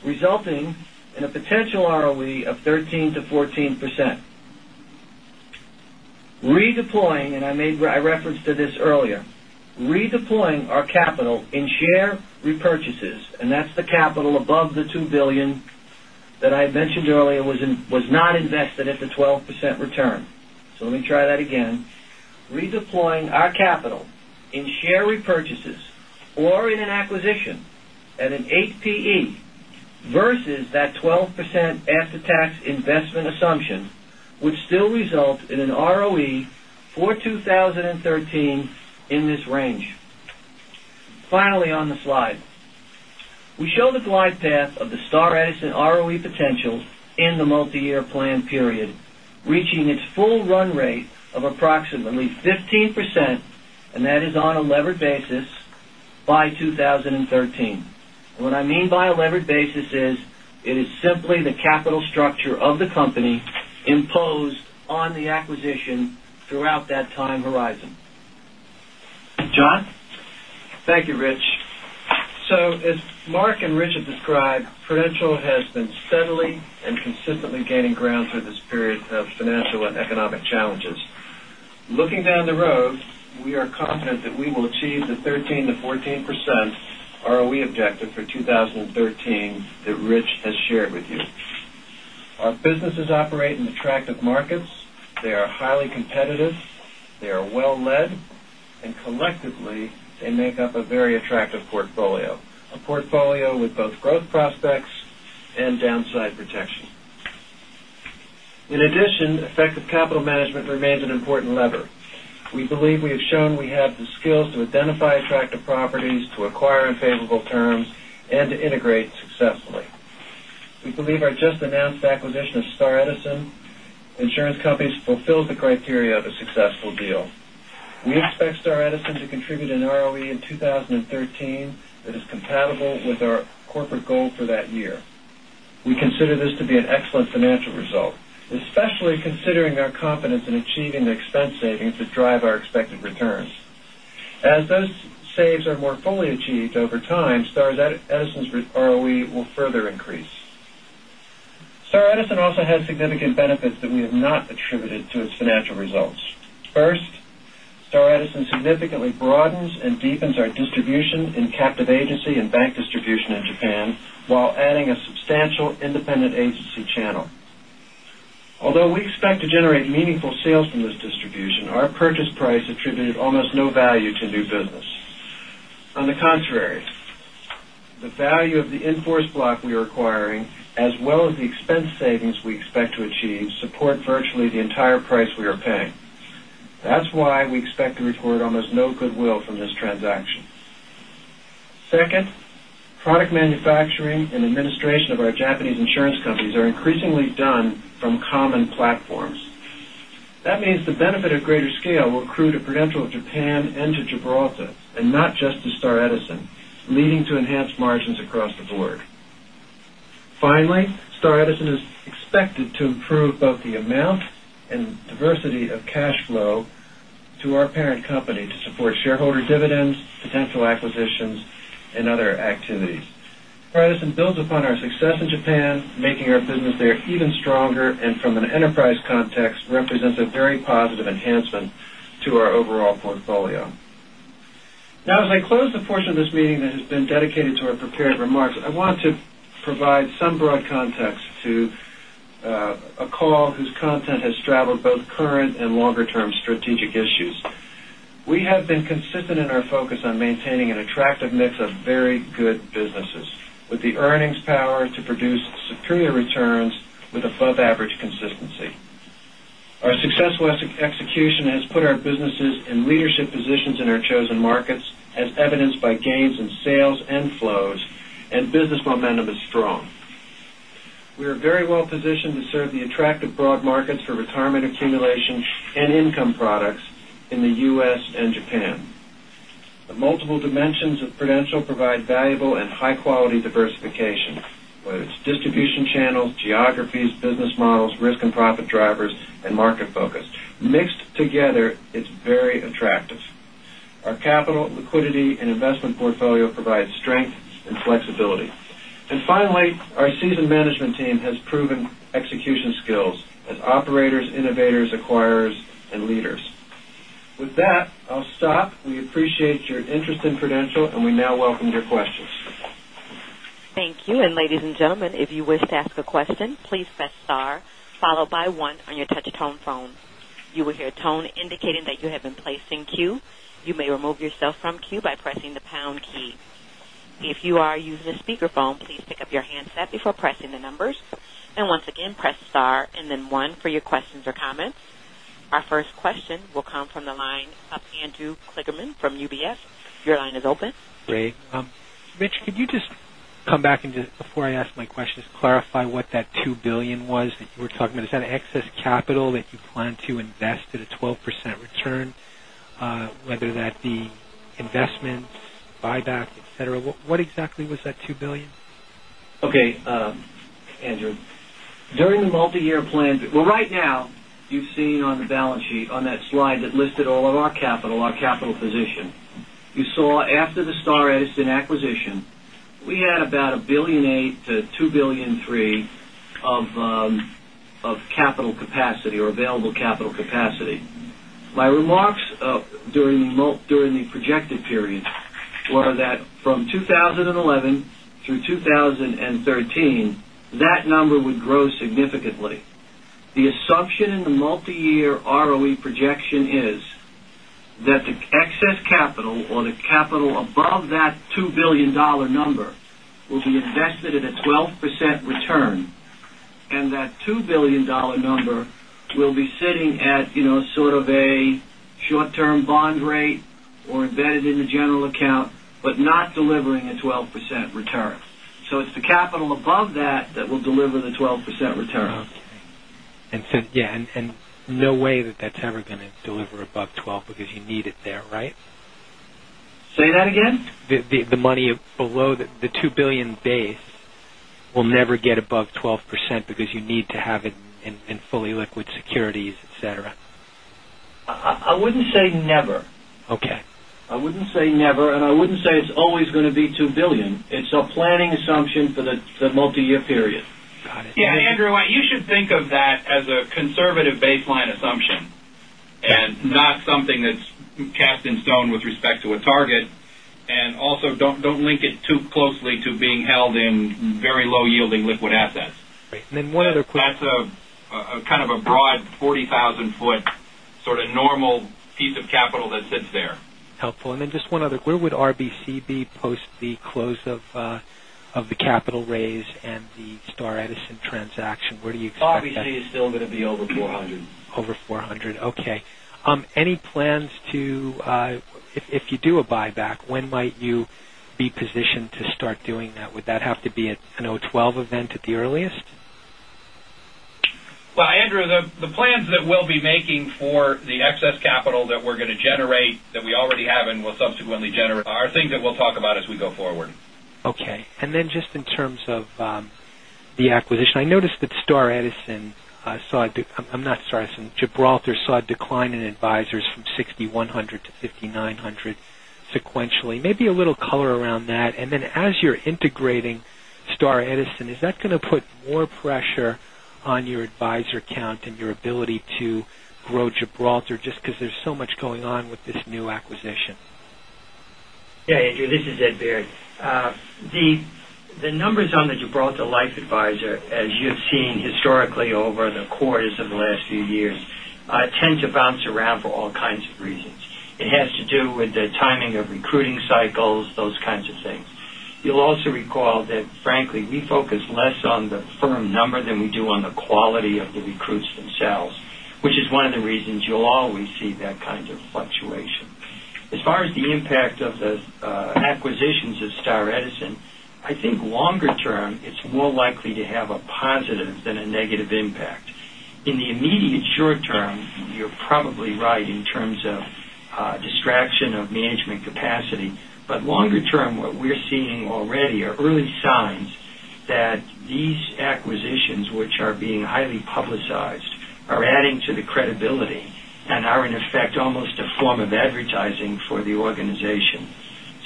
resulting in a potential ROE of 13%-14%. I referenced this earlier, redeploying our capital in share repurchases, and that's the capital above the $2 billion that I had mentioned earlier was not invested at the 12% return. Let me try that again. Redeploying our capital in share repurchases or in an acquisition at an APE versus that 12% after-tax investment assumption, would still result in an ROE for 2013 in this range. Finally, on the slide. We show the glide path of the Star Edison ROE potential in the multi-year plan period, reaching its full run rate of approximately 15%, and that is on a levered basis by 2013. What I mean by a levered basis is it is simply the capital structure of the company imposed on the acquisition throughout that time horizon. John? Thank you, Rich. As Mark and Rich have described, Prudential has been steadily and consistently gaining ground through this period of financial and economic challenges. Looking down the road, we are confident that we will achieve the 13%-14% ROE objective for 2013 that Rich has shared with you. Our businesses operate in attractive markets. They are highly competitive. They are well-led, and collectively, they make up a very attractive portfolio, a portfolio with both growth prospects and downside protection. In addition, effective capital management remains an important lever. We believe we have shown we have the skills to identify attractive properties, to acquire on favorable terms, and to integrate successfully. We believe our just-announced acquisition of Star Edison Insurance Companies fulfills the criteria of a successful deal. We expect Star Edison to contribute an ROE in 2013 that is compatible with our corporate goal for that year. We consider this to be an excellent financial result, especially considering our confidence in achieving the expense savings that drive our expected returns. As those saves are more fully achieved over time, Star Edison's ROE will further increase. Star Edison also has significant benefits that we have not attributed to its financial results. First, Star Edison significantly broadens and deepens our distribution in captive agency and bank distribution in Japan while adding a substantial independent agency channel. Although we expect to generate meaningful sales from this distribution, our purchase price attributed almost no value to new business. On the contrary, the value of the in-force block we are acquiring, as well as the expense savings we expect to achieve, support virtually the entire price we are paying. That's why we expect to record almost no goodwill from this transaction. Second, product manufacturing and administration of our Japanese insurance companies are increasingly done from common platforms. That means the benefit of greater scale will accrue to Prudential Japan and to Gibraltar and not just to Star Edison, leading to enhanced margins across the board. Finally, Star Edison is expected to improve both the amount and diversity of cash flow to our parent company to support shareholder dividends, potential acquisitions, and other activities. Star Edison builds upon our success in Japan, making our business there even stronger, and from an enterprise context, represents a very positive enhancement to our overall portfolio. As I close the portion of this meeting that has been dedicated to our prepared remarks, I want to provide some broad context to a call whose content has straddled both current and longer-term strategic issues. We have been consistent in our focus on maintaining an attractive mix of very good businesses with the earnings power to produce superior returns with above-average consistency. Our successful execution has put our businesses in leadership positions in our chosen markets, as evidenced by gains in sales and flows, business momentum is strong. We are very well positioned to serve the attractive broad markets for retirement accumulation and income products in the U.S. and Japan. The multiple dimensions of Prudential provide valuable and high-quality diversification, whether it's distribution channels, geographies, business models, risk and profit drivers, and market focus. Mixed together, it's very attractive. Our capital, liquidity, and investment portfolio provide strength and flexibility. Finally, our seasoned management team has proven execution skills as operators, innovators, acquirers, and leaders. With that, I'll stop. We appreciate your interest in Prudential, we now welcome your questions. Thank you. Ladies and gentlemen, if you wish to ask a question, please press star followed by one on your touch-tone phone. You will hear a tone indicating that you have been placed in queue. You may remove yourself from queue by pressing the pound key. If you are using a speakerphone, please pick up your handset before pressing the numbers. Once again, press star and then one for your questions or comments. Our first question will come from the line of Andrew Kligerman from UBS. Your line is open. Great. Rich, could you just come back and just before I ask my questions, clarify what that $2 billion was that you were talking about? Is that excess capital that you plan to invest at a 12% return, whether that be investments, buyback, et cetera? What exactly was that $2 billion? Okay, Andrew. During the multi-year plan, well, right now, you've seen on the balance sheet on that slide that listed all of our capital, our capital position. You saw after the Star Edison acquisition, we had about $1.8 billion-$2.3 billion of capital capacity or available capital capacity. My remarks during the projected period were that from 2011 through 2013, that number would grow significantly. The assumption in the multi-year ROE projection is that the excess capital or the capital above that $2 billion number will be invested at a 12% return, and that $2 billion number will be sitting at sort of a short-term bond rate or embedded in the general account but not delivering a 12% return. It's the capital above that that will deliver the 12% return. Okay. No way that's ever going to deliver above 12% because you need it there, right? Say that again. The money below the $2 billion base will never get above 12% because you need to have it in fully liquid securities, et cetera. I wouldn't say never. Okay. I wouldn't say never, I wouldn't say it's always going to be $2 billion. It's a planning assumption for the multi-year period. Got it. Yeah, Andrew, you should think of that as a conservative baseline assumption and not something that's cast in stone with respect to a target. Also don't link it too closely to being held in very low yielding liquid assets. Great. One other. That's kind of a broad 40,000 foot sort of normal piece of capital that sits there. Helpful. Just one other. Where would RBC be post the close of the capital raise and the Star Edison transaction? Where do you expect that? RBC is still going to be over 400. Over 400. Okay. Any plans to, if you do a buyback, when might you be positioned to start doing that? Would that have to be an O12 event at the earliest? Well, Andrew, the plans that we'll be making for the excess capital that we're going to generate, that we already have and will subsequently generate are things that we'll talk about as we go forward. Okay. Just in terms of the acquisition, I noticed that Gibraltar saw a decline in advisors from 6,100 to 5,900 sequentially. Maybe a little color around that. As you're integrating Star Edison, is that going to put more pressure on your advisor count and your ability to grow Gibraltar just because there's so much going on with this new acquisition? Yeah, Andrew, this is Ed Baird. The numbers on the Gibraltar Life Advisor, as you've seen historically over the quarters of the last few years, tend to bounce around for all kinds of reasons. It has to do with the timing of recruiting cycles, those kinds of things. You'll also recall that, frankly, we focus less on the firm number than we do on the quality of the recruits themselves, which is one of the reasons you'll always see that kind of fluctuation. As far as the impact of the acquisitions of Star Edison, I think longer term, it's more likely to have a positive than a negative impact. In the immediate short term, you're probably right in terms of distraction of management capacity. Longer term, what we're seeing already are early signs that these acquisitions, which are being highly publicized, are adding to the credibility and are in effect, almost a form of advertising for the organization.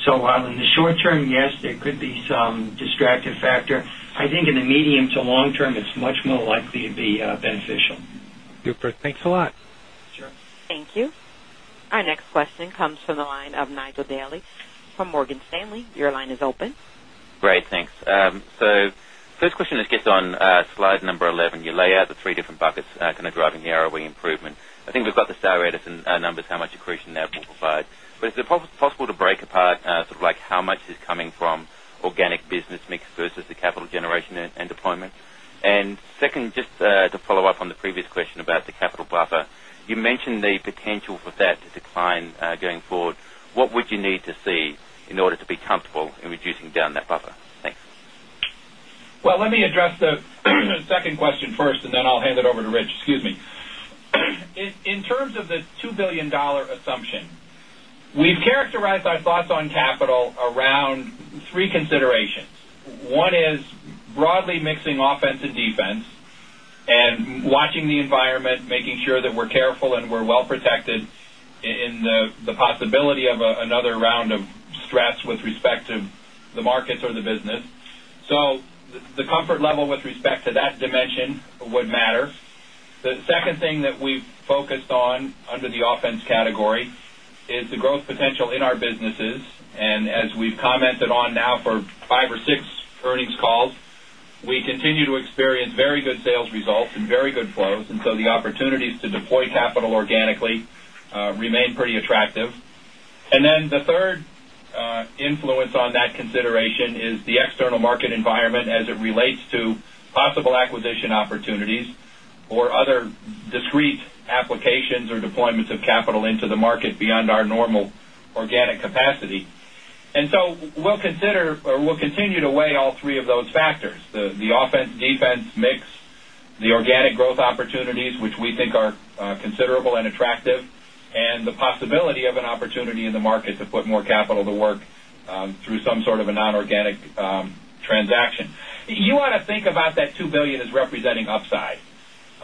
While in the short term, yes, there could be some distractive factor, I think in the medium to long term, it's much more likely to be beneficial. Super. Thanks a lot. Sure. Thank you. Our next question comes from the line of Nigel Dally from Morgan Stanley. Your line is open. Great, thanks. First question just gets on slide 11. You lay out the three different buckets kind of driving the ROE improvement. I think we've got the Star Edison numbers, how much accretion they have provided. Is it possible to break apart sort of how much is coming from organic business mix versus the capital generation and deployment? Second, just to follow up on the previous question about the capital buffer, you mentioned the potential for that to decline going forward. What would you need to see in order to be comfortable in reducing down that buffer? Thanks. Let me address the second question first, and then I'll hand it over to Rich. Excuse me. In terms of the $2 billion assumption, we've characterized our thoughts on capital around three considerations. One is broadly mixing offense and defense and watching the environment, making sure that we're careful and we're well protected in the possibility of another round of stress with respect to the markets or the business. The comfort level with respect to that dimension would matter. The second thing that we've focused on under the offense category is the growth potential in our businesses. As we've commented on now for five or six earnings calls, we continue to experience very good sales results and very good flows. The opportunities to deploy capital organically remain pretty attractive. The third influence on that consideration is the external market environment as it relates to possible acquisition opportunities or other discrete applications or deployments of capital into the market beyond our normal organic capacity. We'll continue to weigh all three of those factors, the offense-defense mix, the organic growth opportunities, which we think are considerable and attractive, and the possibility of an opportunity in the market to put more capital to work through some sort of a non-organic transaction. You want to think about that $2 billion as representing upside.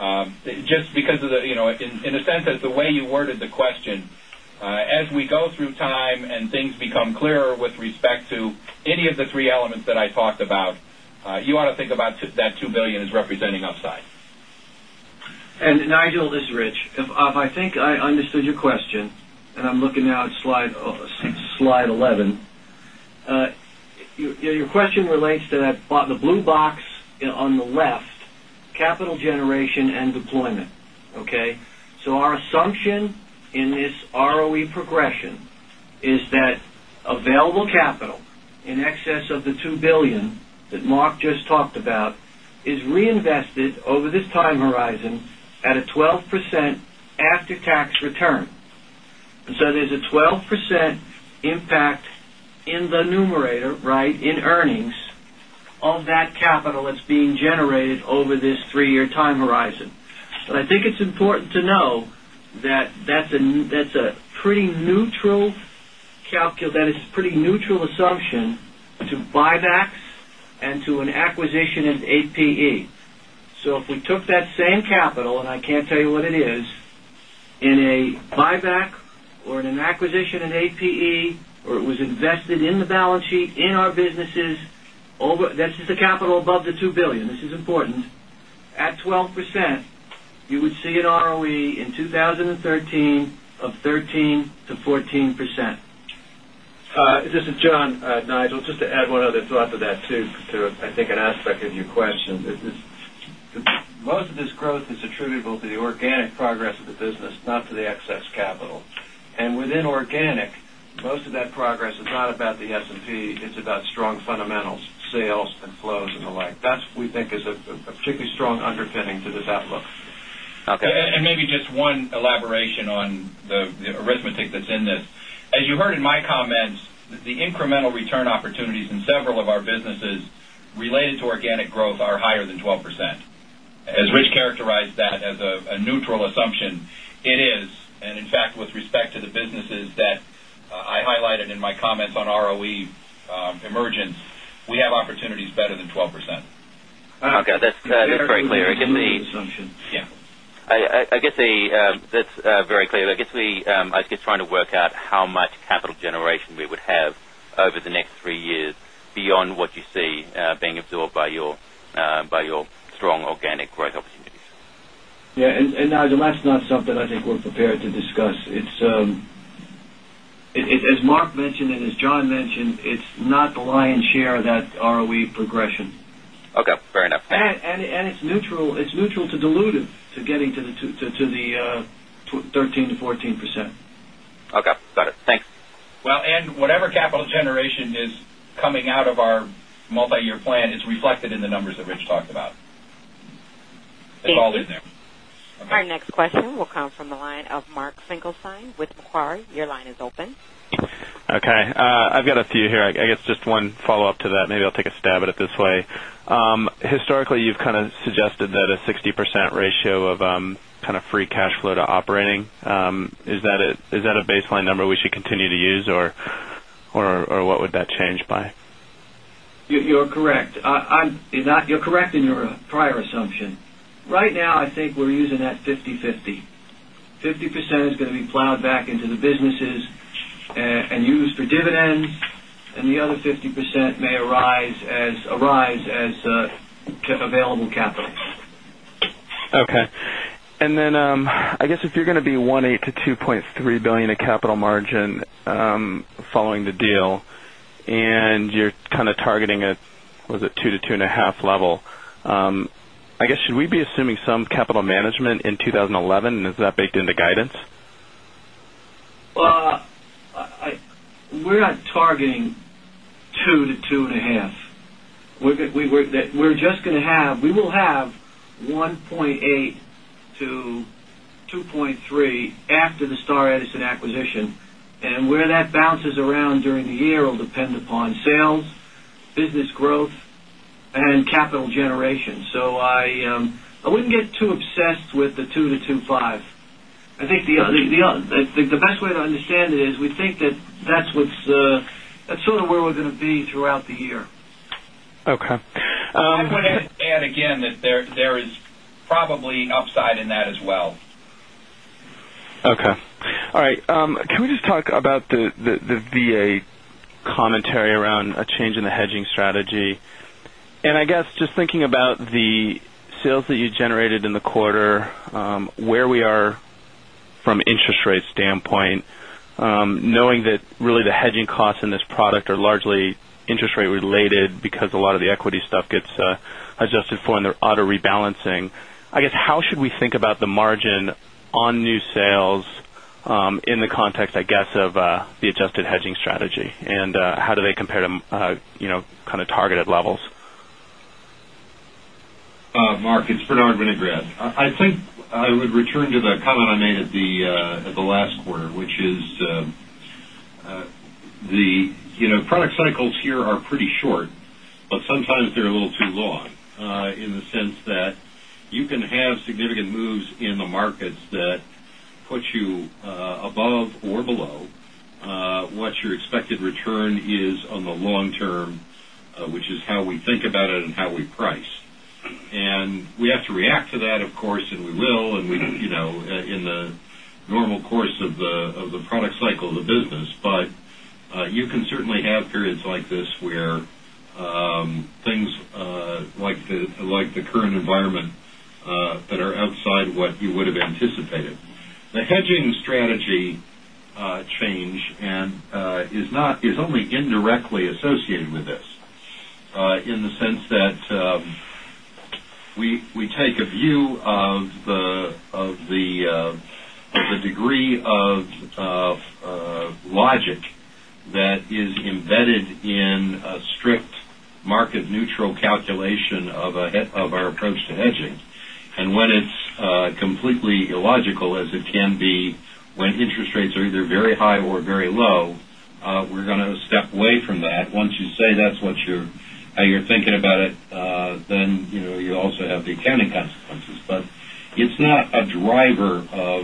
In the sense that the way you worded the question, as we go through time and things become clearer with respect to any of the three elements that I talked about, you want to think about that $2 billion as representing upside. Nigel, this is Rich. I'm looking now at slide 11. Your question relates to that blue box on the left, capital generation and deployment. Okay. Our assumption in this ROE progression is that available capital in excess of the $2 billion that Mark just talked about is reinvested over this time horizon at a 12% after-tax return. There's a 12% impact in the numerator, in earnings of that capital that's being generated over this three-year time horizon. I think it's important to know that is pretty neutral assumption to buybacks and to an acquisition in APE. If we took that same capital, and I can't tell you what it is, in a buyback or in an acquisition in APE, or it was invested in the balance sheet in our businesses. This is the capital above the $2 billion. This is important. At 12%, you would see an ROE in 2013 of 13%-14%. This is John. Nigel, just to add one other thought to that, to, I think, an aspect of your question. Most of this growth is attributable to the organic progress of the business, not to the excess capital. Within organic, most of that progress is not about the S&P, it is about strong fundamentals, sales and flows, and the like. That we think is a particularly strong underpinning to this outlook. Okay. Maybe just one elaboration on the arithmetic that is in this. As you heard in my comments, the incremental return opportunities in several of our businesses related to organic growth are higher than 12%. As Rich characterized that as a neutral assumption, it is. In fact, with respect to the businesses that I highlighted in my comments on ROE emergence, we have opportunities better than 12%. Okay. That is very clear. I guess. That's a neutral assumption. Yeah. That's very clear. I guess I was just trying to work out how much capital generation we would have over the next three years beyond what you see being absorbed by your strong organic growth opportunities. Yeah. Nigel, that's not something I think we're prepared to discuss. As Mark mentioned, and as John mentioned, it's not the lion's share of that ROE progression. Okay. Fair enough. It's neutral to dilutive to getting to the 13%-14%. Okay, got it. Thanks. Whatever capital generation is coming out of our multi-year plan is reflected in the numbers that Rich talked about. It's all in there. Our next question will come from the line of Mark Finkelstein with Macquarie. Your line is open. Okay. I've got a few here. I guess just one follow-up to that. Maybe I'll take a stab at it this way. Historically, you've kind of suggested that a 60% ratio of free cash flow to operating. Is that a baseline number we should continue to use? What would that change by? You're correct in your prior assumption. Right now, I think we're using that 50/50. 50% is going to be plowed back into the businesses and used for dividends, the other 50% may arise as available capital. Okay. I guess if you're going to be $1.8 billion-$2.3 billion of capital margin following the deal, you're kind of targeting a, was it 2-2.5 level? I guess, should we be assuming some capital management in 2011, is that baked into guidance? We're not targeting 2-2.5. We will have 1.8-2.3 after the Star Edison acquisition, and where that bounces around during the year will depend upon sales, business growth, and capital generation. I wouldn't get too obsessed with the 2-2.5. I think the best way to understand it is we think that that's sort of where we're going to be throughout the year. Okay. I would add again that there is probably upside in that as well. Okay. All right. Can we just talk about the VA commentary around a change in the hedging strategy? I guess, just thinking about the sales that you generated in the quarter, where we are from an interest rate standpoint, knowing that really the hedging costs in this product are largely interest rate related because a lot of the equity stuff gets adjusted for under auto-rebalancing. How should we think about the margin on new sales in the context, I guess, of the adjusted hedging strategy, and how do they compare to kind of targeted levels? Mark, it's Bernard Winograd. I would return to the comment I made at the last quarter, which is the product cycles here are pretty short, but sometimes they're a little too long in the sense that you can have significant moves in the markets that put you above or below what your expected return is on the long term, which is how we think about it and how we price. We have to react to that, of course, and we will, and we in the normal course of the product cycle of the business. You can certainly have periods like this where things like the current environment that are outside what you would have anticipated. The hedging strategy change is only indirectly associated with this. In the sense that we take a view of the degree of logic that is embedded in a strict market neutral calculation of our approach to hedging. When it's completely illogical as it can be when interest rates are either very high or very low, we're going to step away from that. Once you say that's how you're thinking about it, then you also have the accounting consequences. It's not a driver of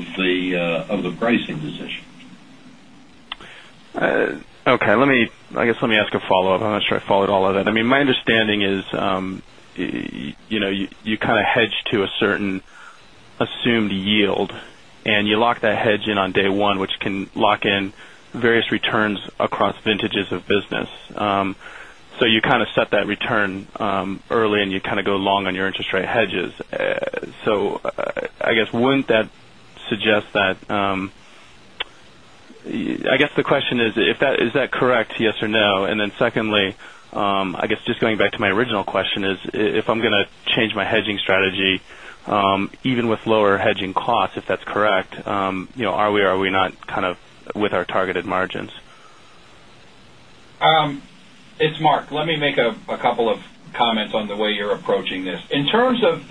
the pricing decision. Okay. I guess, let me ask a follow-up. I'm not sure I followed all of that. My understanding is you kind of hedge to a certain assumed yield, and you lock that hedge in on day one, which can lock in various returns across vintages of business. You kind of set that return early, and you kind of go long on your interest rate hedges. I guess, wouldn't that suggest that I guess the question is that correct, yes or no? Then secondly, I guess just going back to my original question is, if I'm going to change my hedging strategy even with lower hedging costs, if that's correct, are we or are we not kind of with our targeted margins? It's Mark. Let me make a couple of comments on the way you're approaching this. In terms of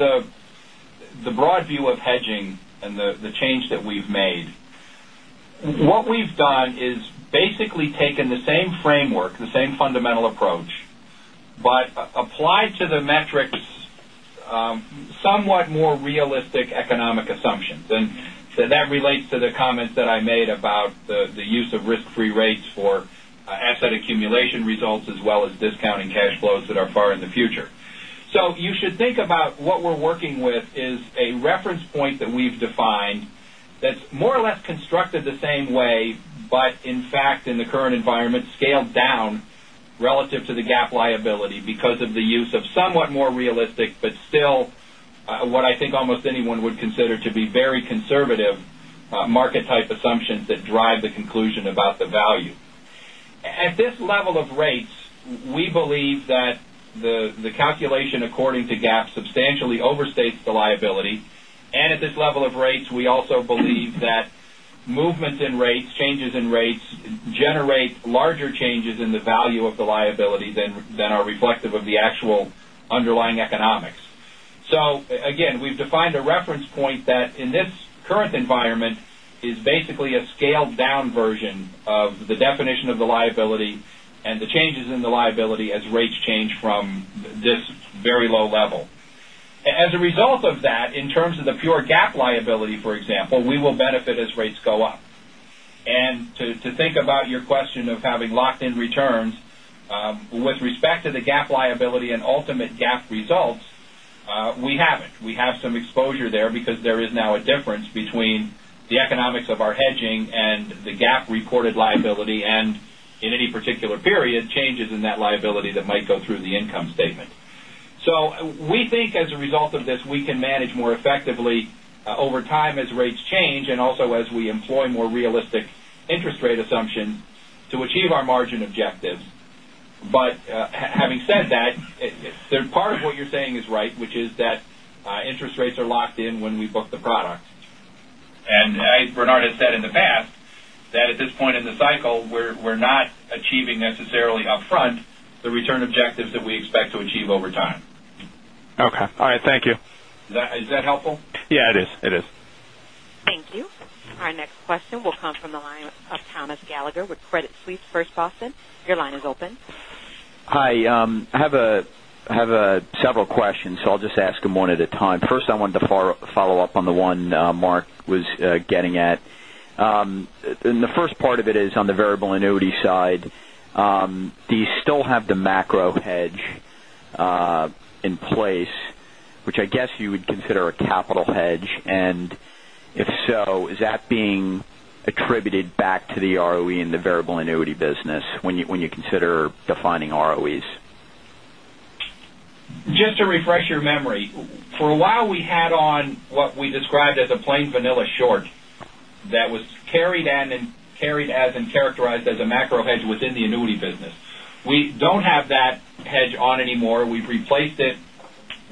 the broad view of hedging and the change that we've made. What we've done is basically taken the same framework, the same fundamental approach, but applied to the metrics somewhat more realistic economic assumptions. That relates to the comments that I made about the use of risk-free rates for asset accumulation results as well as discounting cash flows that are far in the future. You should think about what we're working with is a reference point that we've defined that's more or less constructed the same way, but in fact, in the current environment, scaled down Relative to the GAAP liability because of the use of somewhat more realistic, but still what I think almost anyone would consider to be very conservative market type assumptions that drive the conclusion about the value. At this level of rates, we believe that the calculation according to GAAP substantially overstates the liability. At this level of rates, we also believe that movements in rates, changes in rates, generate larger changes in the value of the liability than are reflective of the actual underlying economics. Again, we've defined a reference point that, in this current environment, is basically a scaled-down version of the definition of the liability and the changes in the liability as rates change from this very low level. As a result of that, in terms of the pure GAAP liability, for example, we will benefit as rates go up. To think about your question of having locked-in returns, with respect to the GAAP liability and ultimate GAAP results, we haven't. We have some exposure there because there is now a difference between the economics of our hedging and the GAAP-reported liability, and in any particular period, changes in that liability that might go through the income statement. We think as a result of this, we can manage more effectively over time as rates change, and also as we employ more realistic interest rate assumptions to achieve our margin objectives. Having said that, part of what you're saying is right, which is that interest rates are locked in when we book the product. As Bernard has said in the past, that at this point in the cycle, we're not achieving necessarily upfront the return objectives that we expect to achieve over time. Okay. All right, thank you. Is that helpful? Yeah, it is. Thank you. Our next question will come from the line of Thomas Gallagher with Credit Suisse. Your line is open. Hi, I have several questions, so I'll just ask them one at a time. First, I wanted to follow up on the one Mark was getting at. The first part of it is on the variable annuity side. Do you still have the macro hedge in place, which I guess you would consider a capital hedge, and if so, is that being attributed back to the ROE in the variable annuity business when you consider defining ROEs? Just to refresh your memory, for a while, we had on what we described as a plain vanilla short that was carried as and characterized as a macro hedge within the annuity business. We don't have that hedge on anymore. We've replaced it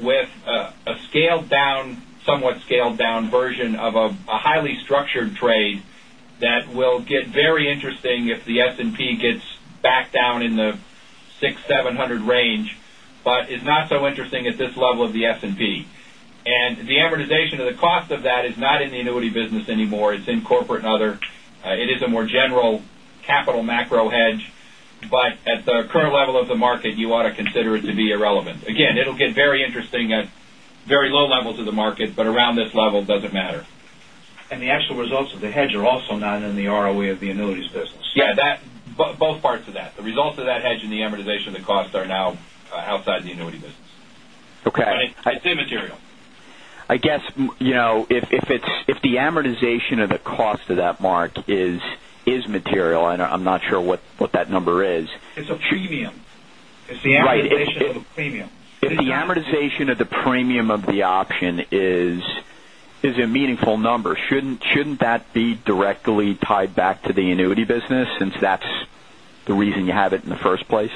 with a somewhat scaled-down version of a highly structured trade that will get very interesting if the S&P gets back down in the 600-700 range, but is not so interesting at this level of the S&P. The amortization of the cost of that is not in the annuity business anymore. It's in corporate and other. It is a more general capital macro hedge. At the current level of the market, you ought to consider it to be irrelevant. Again, it'll get very interesting at very low levels of the market, but around this level, it doesn't matter. the actual results of the hedge are also not in the ROE of the annuities business. Yeah, both parts of that. The results of that hedge and the amortization of the costs are now outside the annuity business. Okay. It's immaterial. I guess, if the amortization of the cost of that, Mark, is material, and I'm not sure what that number is. It's a premium. It's the amortization of a premium. If the amortization of the premium of the option is a meaningful number, shouldn't that be directly tied back to the annuity business since that's the reason you have it in the first place?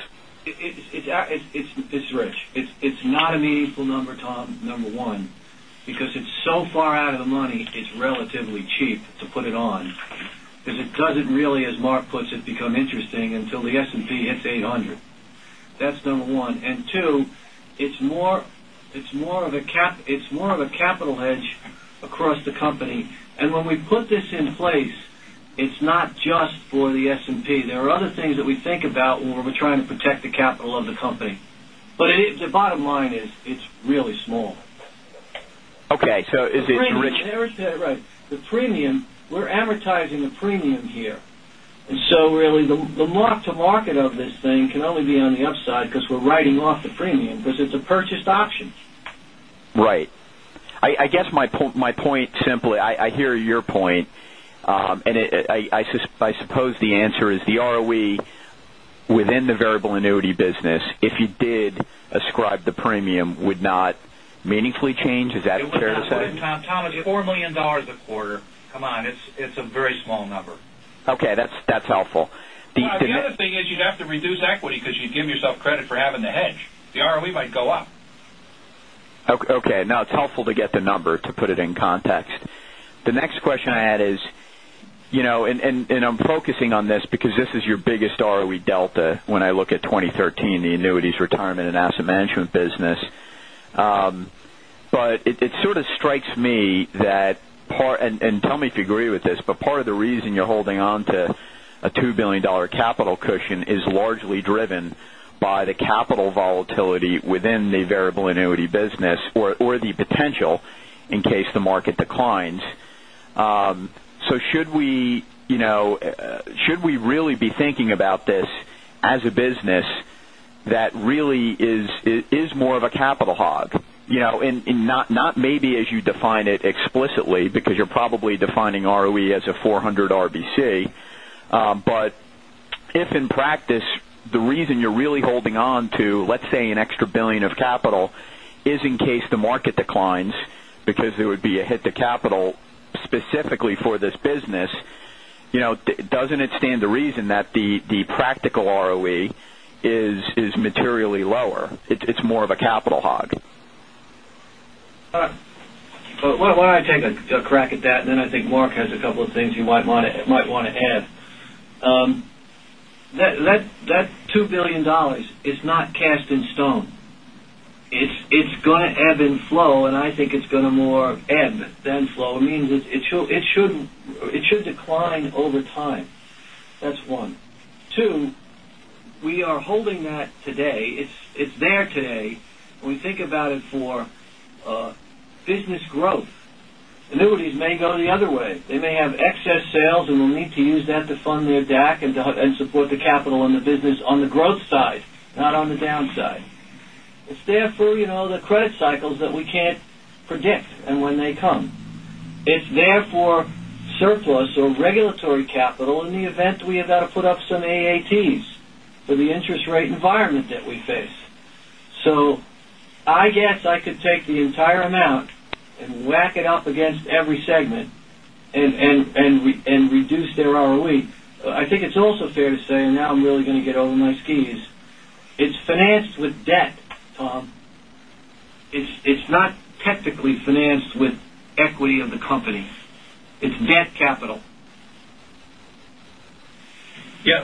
It's Rich. It's not a meaningful number, Tom, number 1, because it's so far out of the money, it's relatively cheap to put it on, because it doesn't really, as Mark puts it, become interesting until the S&P hits 800. That's number 1. Two, it's more of a capital hedge across the company. When we put this in place, it's not just for the S&P. There are other things that we think about when we're trying to protect the capital of the company. The bottom line is, it's really small. Okay. Is it rich? Right. We're amortizing the premium here. Really, the mark to market of this thing can only be on the upside because we're writing off the premium because it's a purchased option. Right. I guess my point simply, I hear your point, and I suppose the answer is the ROE within the variable annuity business, if you did ascribe the premium, would not meaningfully change. Is that a fair to say? It would not, Tom. Thomas, $4 million a quarter. Come on, it's a very small number. Okay, that's helpful. The other thing is you'd have to reduce equity because you'd give yourself credit for having the hedge. The ROE might go up. Okay. No, it's helpful to get the number to put it in context. The next question I had is, I'm focusing on this because this is your biggest ROE delta when I look at 2013, the annuities retirement and asset management business. It sort of strikes me that part, tell me if you agree with this, part of the reason you're holding on to a $2 billion capital cushion is largely driven by the capital volatility within the variable annuity business, or the potential in case the market declines. Should we really be thinking about this as a business that really is more of a capital hog. Not maybe as you define it explicitly, because you're probably defining ROE as a 400 RBC. If in practice, the reason you're really holding on to, let's say, an extra $1 billion of capital is in case the market declines, because there would be a hit to capital specifically for this business, doesn't it stand to reason that the practical ROE is materially lower? It's more of a capital hog. Why don't I take a crack at that, then I think Mark has a couple of things he might want to add. That $2 billion is not cast in stone. It's going to ebb and flow, I think it's going to more ebb than flow. It means it should decline over time. That's one. Two, we are holding that today. It's there today. We think about it for business growth. Annuities may go the other way. They may have excess sales, we'll need to use that to fund their DAC and support the capital and the business on the growth side, not on the downside. It's there for the credit cycles that we can't predict and when they come. It's there for surplus or regulatory capital in the event we have got to put up some AATs for the interest rate environment that we face. I guess I could take the entire amount and whack it up against every segment and reduce their ROE. I think it's also fair to say, now I'm really going to get on my skis. It's financed with debt, Thomas. It's not technically financed with equity of the company. It's debt capital.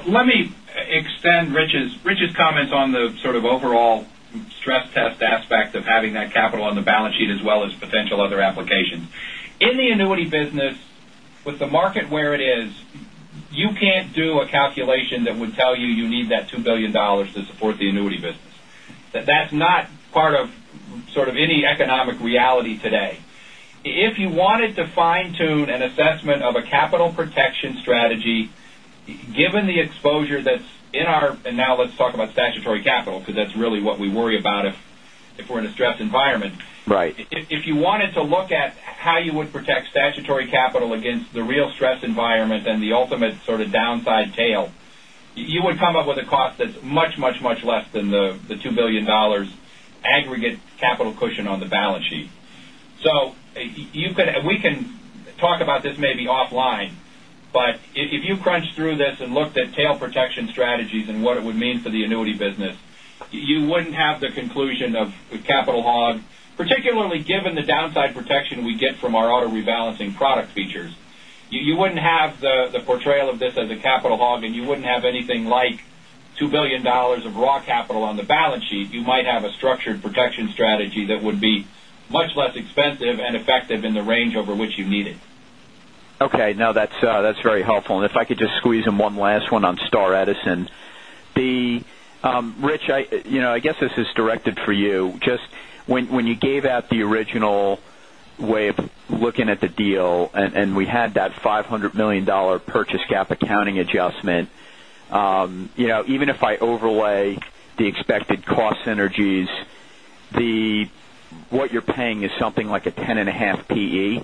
Let me extend Rich's comments on the sort of overall stress test aspect of having that capital on the balance sheet, as well as potential other applications. In the annuity business, with the market where it is, you can't do a calculation that would tell you you need that $2 billion to support the annuity business. That's not part of any economic reality today. If you wanted to fine-tune an assessment of a capital protection strategy, given the exposure. Now let's talk about statutory capital, because that's really what we worry about if we're in a stressed environment. Right. If you wanted to look at how you would protect statutory capital against the real stress environment and the ultimate sort of downside tail, you would come up with a cost that's much less than the $2 billion aggregate capital cushion on the balance sheet. We can talk about this maybe offline, but if you crunched through this and looked at tail protection strategies and what it would mean for the annuity business, you wouldn't have the conclusion of a capital hog, particularly given the downside protection we get from our auto-rebalancing product features. You wouldn't have the portrayal of this as a capital hog, and you wouldn't have anything like $2 billion of raw capital on the balance sheet. You might have a structured protection strategy that would be much less expensive and effective in the range over which you need it. Okay. No, that's very helpful. If I could just squeeze in one last one on Star Edison. Rich, I guess this is directed for you. Just when you gave out the original way of looking at the deal, we had that $500 million purchase GAAP accounting adjustment, even if I overlay the expected cost synergies, what you're paying is something like a 10.5 PE,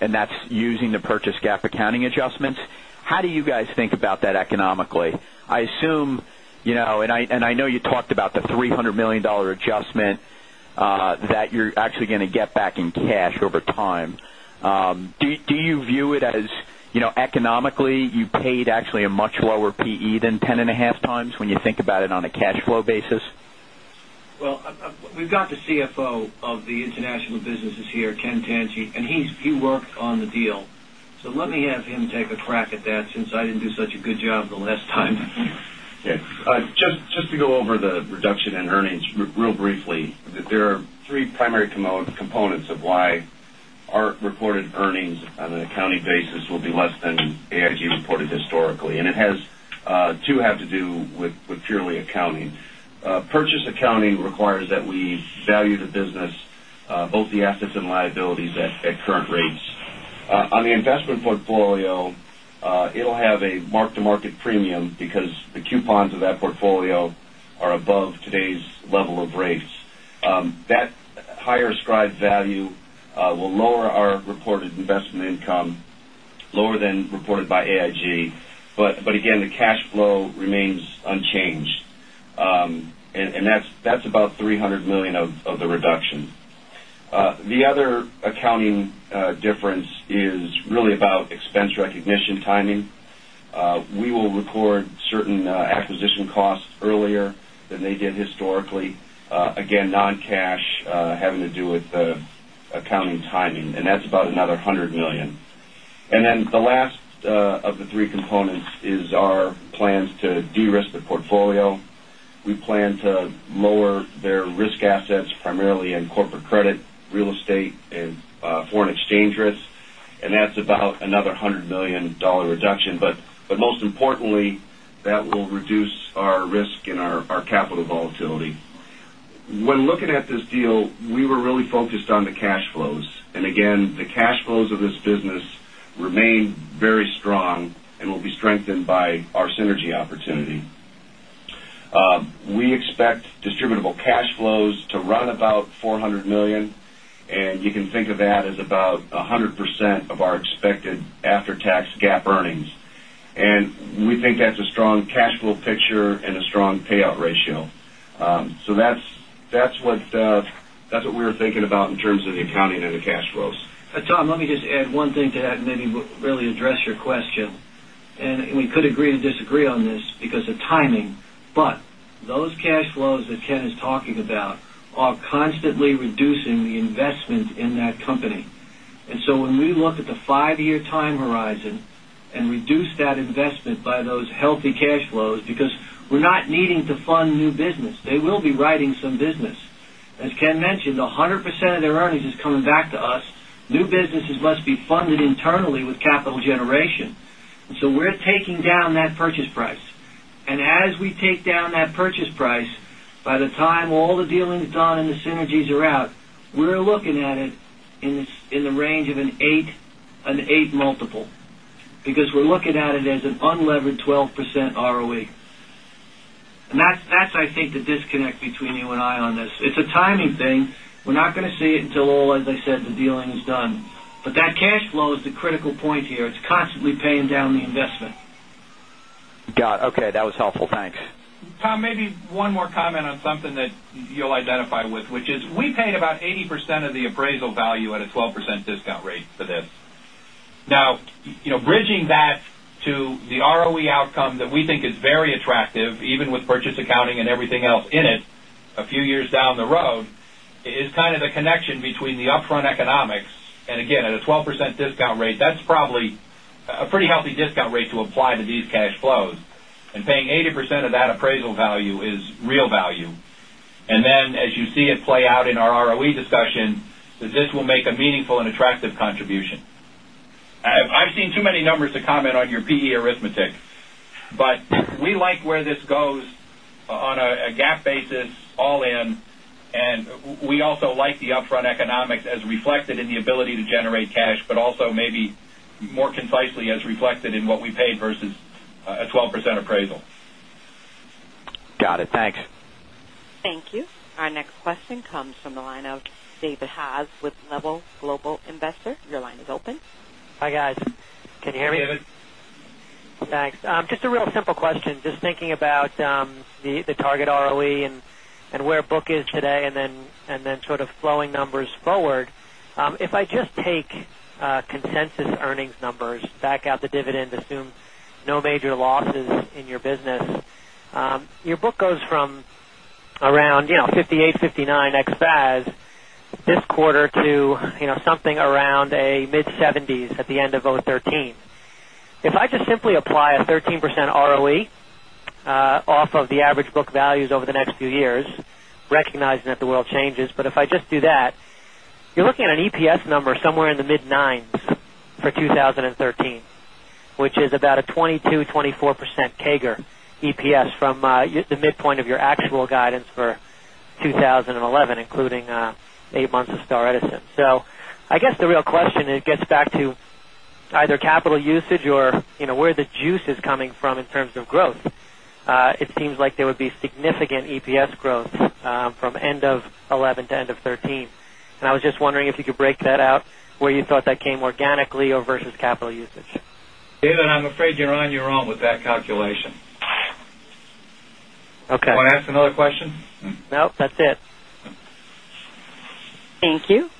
and that's using the purchase GAAP accounting adjustments. How do you guys think about that economically? I assume, and I know you talked about the $300 million adjustment that you're actually going to get back in cash over time. Do you view it as economically you paid actually a much lower PE than 10.5 times when you think about it on a cash flow basis? Well, we've got the CFO of the international businesses here, Ken Tanji. He worked on the deal. Let me have him take a crack at that since I didn't do such a good job the last time. Yes. Just to go over the reduction in earnings real briefly. There are three primary components of why our reported earnings on an accounting basis will be less than AIG reported historically. Two have to do with purely accounting. Purchase accounting requires that we value the business, both the assets and liabilities at current rates. On the investment portfolio, it'll have a mark-to-market premium because the coupons of that portfolio are above today's level of rates. That higher stride value will lower our reported investment income, lower than reported by AIG. Again, the cash flow remains unchanged. That's about $300 million of the reduction. The other accounting difference is really about expense recognition timing. We will record certain acquisition costs earlier than they did historically. Again, non-cash, having to do with accounting timing, and that's about another $100 million. The last of the three components is our plans to de-risk the portfolio. We plan to lower their risk assets primarily in corporate credit, real estate, and foreign exchange risks. That's about another $100 million reduction. Most importantly, that will reduce our risk and our capital volatility. When looking at this deal, we were really focused on the cash flows. Again, the cash flows of this business remain very strong and will be strengthened by our synergy opportunity. We expect distributable cash flows to run about $400 million, and you can think of that as about 100% of our expected after-tax GAAP earnings. We think that's a strong cash flow picture and a strong payout ratio. That's what we were thinking about in terms of the accounting and the cash flows. Tom, let me just add one thing to that and maybe really address your question. We could agree to disagree on this because of timing, but those cash flows that Ken is talking about are constantly reducing the investment in that company. When we look at the 5-year time horizon and reduce that investment by those healthy cash flows, because we're not needing to fund new business. They will be writing some business. As Ken mentioned, 100% of their earnings is coming back to us. New businesses must be funded internally with capital generation. We're taking down that purchase price. As we take down that purchase price, by the time all the dealing is done and the synergies are out, we're looking at it in the range of an 8 multiple, because we're looking at it as an unlevered 12% ROE. That's, I think, the disconnect between you and I on this. It's a timing thing. We're not going to see it until all, as I said, the dealing is done. That cash flow is the critical point here. It's constantly paying down the investment. Got it. Okay. That was helpful. Thanks. Tom, maybe one more comment on something that you'll identify with, which is we paid about 80% of the appraisal value at a 12% discount rate for this. Bridging that to the ROE outcome that we think is very attractive, even with purchase accounting and everything else in it a few years down the road, is kind of the connection between the upfront economics, and again, at a 12% discount rate, that's probably a pretty healthy discount rate to apply to these cash flows. Paying 80% of that appraisal value is real value. Then as you see it play out in our ROE discussion, that this will make a meaningful and attractive contribution. I've seen too many numbers to comment on your PE arithmetic, but we like where this goes on a GAAP basis, all in, and we also like the upfront economics as reflected in the ability to generate cash, but also maybe more concisely as reflected in what we paid versus a 12% appraisal. Got it. Thanks. Thank you. Our next question comes from the line of David Haas with Level Global Investors. Your line is open. Hi, guys. Can you hear me? Hi, David. Thanks. Just a real simple question. Just thinking about the target ROE and where book is today, sort of flowing numbers forward. If I just take consensus earnings numbers, back out the dividend, assume no major losses in your business, your book goes from around $58, $59 ex-BAS this quarter to something around a mid-$70s at the end of 2013. If I just simply apply a 13% ROE off of the average book values over the next few years, recognizing that the world changes, if I just do that, you're looking at an EPS number somewhere in the mid-$9s for 2013, which is about a 22%-24% CAGR EPS from the midpoint of your actual guidance for 2011, including eight months of Star Edison. I guess the real question, it gets back to either capital usage or where the juice is coming from in terms of growth. It seems like there would be significant EPS growth from end of 2011 to end of 2013. I was just wondering if you could break that out, where you thought that came organically or versus capital usage. David, I'm afraid you're on your own with that calculation. Okay. You want to ask another question? No, that's it. Thank you.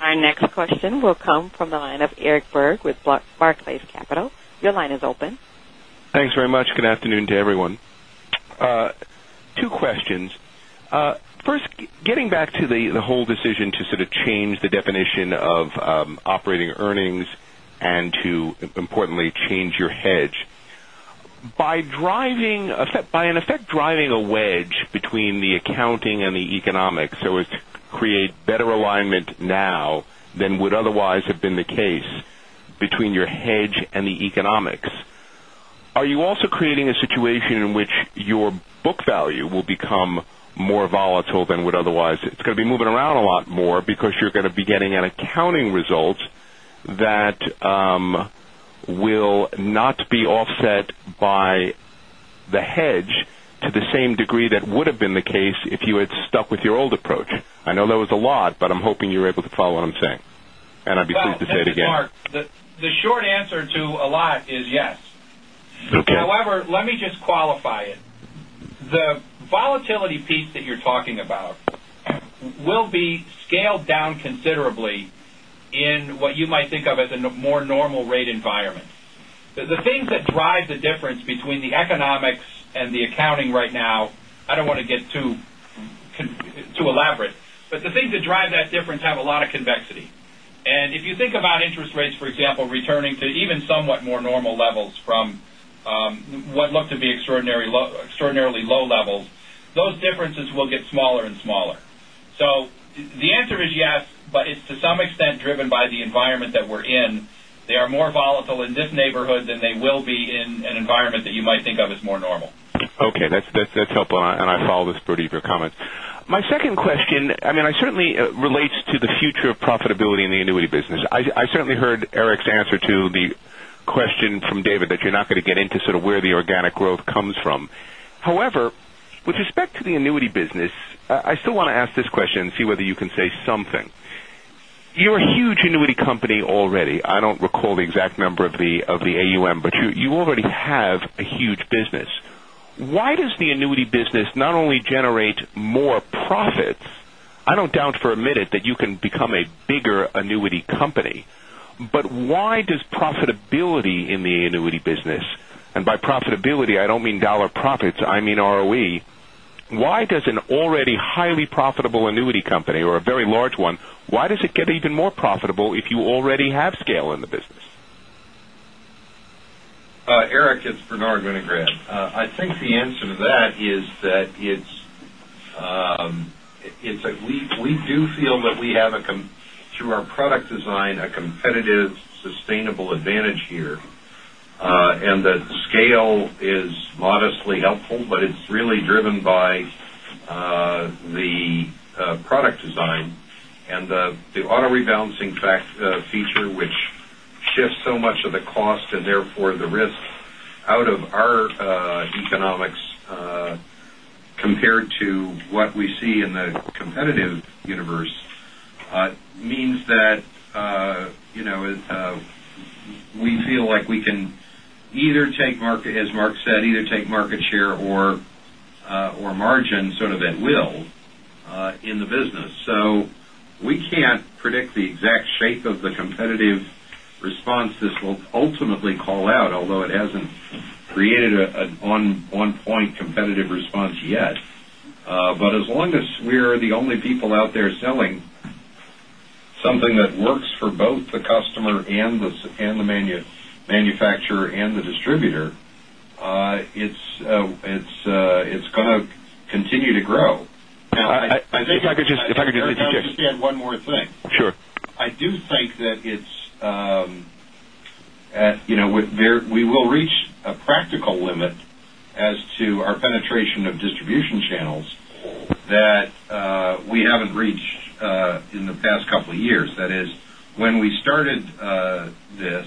Our next question will come from the line of Eric Berg with Barclays Capital. Your line is open. Thanks very much. Good afternoon to everyone. Two questions. First, getting back to the whole decision to sort of change the definition of operating earnings and to, importantly, change your hedge. By, in effect, driving a wedge between the accounting and the economics so as to create better alignment now than would otherwise have been the case between your hedge and the economics. Are you also creating a situation in which your book value will become more volatile than would otherwise? It's going to be moving around a lot more because you're going to be getting an accounting result that will not be offset by the hedge to the same degree that would have been the case if you had stuck with your old approach. I know that was a lot, but I'm hoping you're able to follow what I'm saying. I'd be pleased to say it again. Well, thanks, Mark. The short answer to a lot is yes. Okay. Let me just qualify it. The volatility piece that you're talking about will be scaled down considerably in what you might think of as a more normal rate environment. The things that drive the difference between the economics and the accounting right now, I don't want to get too elaborate. The things that drive that difference have a lot of convexity. If you think about interest rates, for example, returning to even somewhat more normal levels from what looked to be extraordinarily low levels, those differences will get smaller and smaller. The answer is yes, but it's to some extent driven by the environment that we're in. They are more volatile in this neighborhood than they will be in an environment that you might think of as more normal. Okay. That's helpful, and I follow the spirit of your comment. My second question, it certainly relates to the future of profitability in the annuity business. I certainly heard Eric's answer to the question from David, that you're not going to get into sort of where the organic growth comes from. With respect to the annuity business, I still want to ask this question and see whether you can say something. You're a huge annuity company already. I don't recall the exact number of the AUM, but you already have a huge business. Why does the annuity business not only generate more profits? I don't doubt for a minute that you can become a bigger annuity company. Why does profitability in the annuity business, and by profitability, I don't mean dollar profits, I mean ROE. Why does an already highly profitable annuity company, or a very large one, why does it get even more profitable if you already have scale in the business? Eric, it's Bernard Winograd. I think the answer to that is that we do feel that we have, through our product design, a competitive, sustainable advantage here. That scale is modestly helpful, but it's really driven by the product design. The auto-rebalancing feature, which shifts so much of the cost and therefore the risk out of our economics, compared to what we see in the competitive universe, means that we feel like we can either take market, as Mark said, either take market share or margin sort of at will, in the business. We can't predict the exact shape of the competitive response this will ultimately call out, although it hasn't created an on-point competitive response yet. As long as we're the only people out there selling something that works for both the customer and the manufacturer and the distributor, it's going to continue to grow. If I could just interject. I'll just add one more thing. Sure. I do think that we will reach a practical limit as to our penetration of distribution channels that we haven't reached in the past couple of years. That is, when we started this,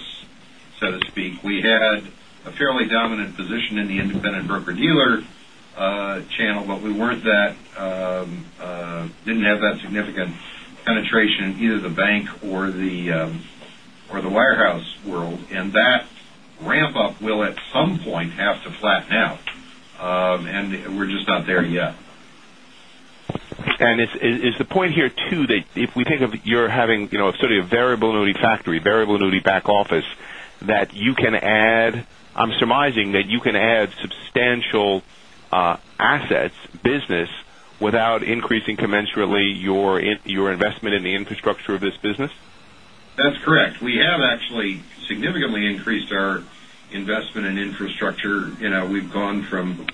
so to speak, we had a fairly dominant position in the independent broker-dealer channel, but we didn't have that significant penetration in either the bank or the warehouse world, and that ramp up will at some point have to flatten out. We're just not there yet. Is the point here, too, that if we think of you're having sort of a variable annuity factory, variable annuity back office, that you can add, I'm surmising that you can add substantial assets, business, without increasing commensurately your investment in the infrastructure of this business? That's correct. We have actually significantly increased our investment in infrastructure. We've gone from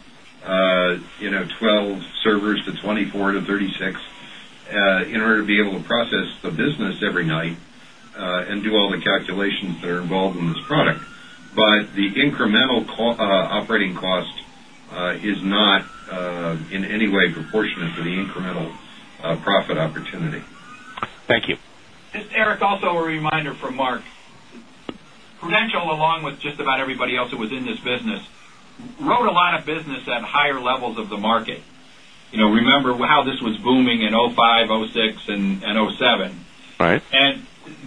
12 servers to 24 to 36, in order to be able to process the business every night, and do all the calculations that are involved in this product. The incremental operating cost is not in any way proportionate to the incremental profit opportunity. Thank you. Eric, also a reminder from Mark. Prudential, along with just about everybody else that was in this business, wrote a lot of business at higher levels of the market. Remember how this was booming in 2005, 2006, and 2007. Right.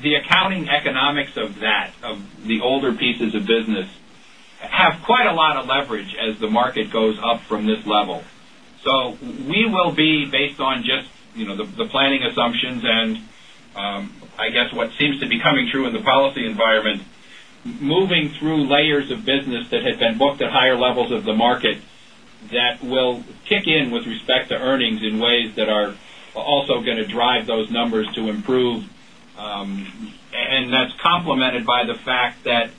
The accounting economics of that, of the older pieces of business, have quite a lot of leverage as the market goes up from this level. We will be based on just the planning assumptions and, I guess, what seems to be coming true in the policy environment, moving through layers of business that had been booked at higher levels of the market that will kick in with respect to earnings in ways that are also going to drive those numbers to improve. That's complemented by the fact that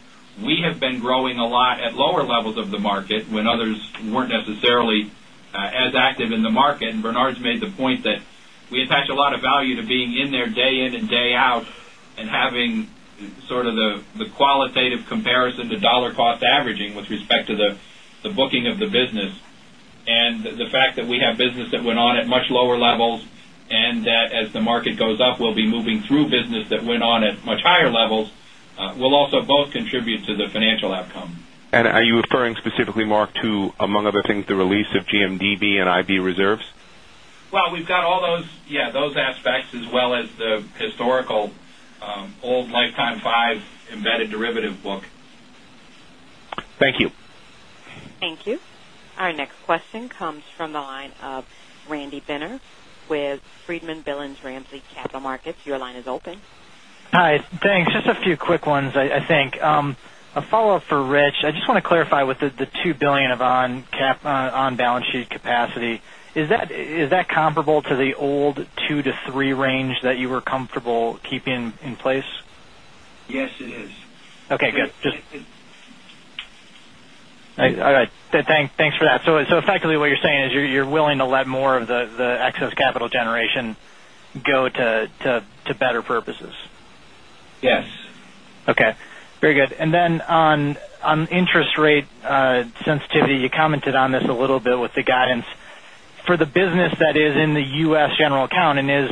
we have been growing a lot at lower levels of the market when others weren't necessarily as active in the market. Bernard's made the point that we attach a lot of value to being in there day in and day out and having sort of the qualitative comparison to dollar cost averaging with respect to the booking of the business. The fact that we have business that went on at much lower levels, and that as the market goes up, we'll be moving through business that went on at much higher levels, will also both contribute to the financial outcome. Are you referring specifically, Mark, to, among other things, the release of GMDB and IB reserves? Well, we've got all those aspects as well as the historical old Lifetime Five embedded derivative book. Thank you. Thank you. Our next question comes from the line of Randy Binner with Friedman Billings Ramsey Capital Markets. Your line is open. Hi. Thanks. Just a few quick ones, I think. A follow-up for Rich. I just want to clarify with the $2 billion of on-balance sheet capacity, is that comparable to the old two to three range that you were comfortable keeping in place? Yes, it is. Okay, good. All right. Thanks for that. Effectively, what you're saying is you're willing to let more of the excess capital generation go to better purposes? Yes. Okay, very good. On interest rate sensitivity, you commented on this a little bit with the guidance. For the business that is in the U.S. general account and is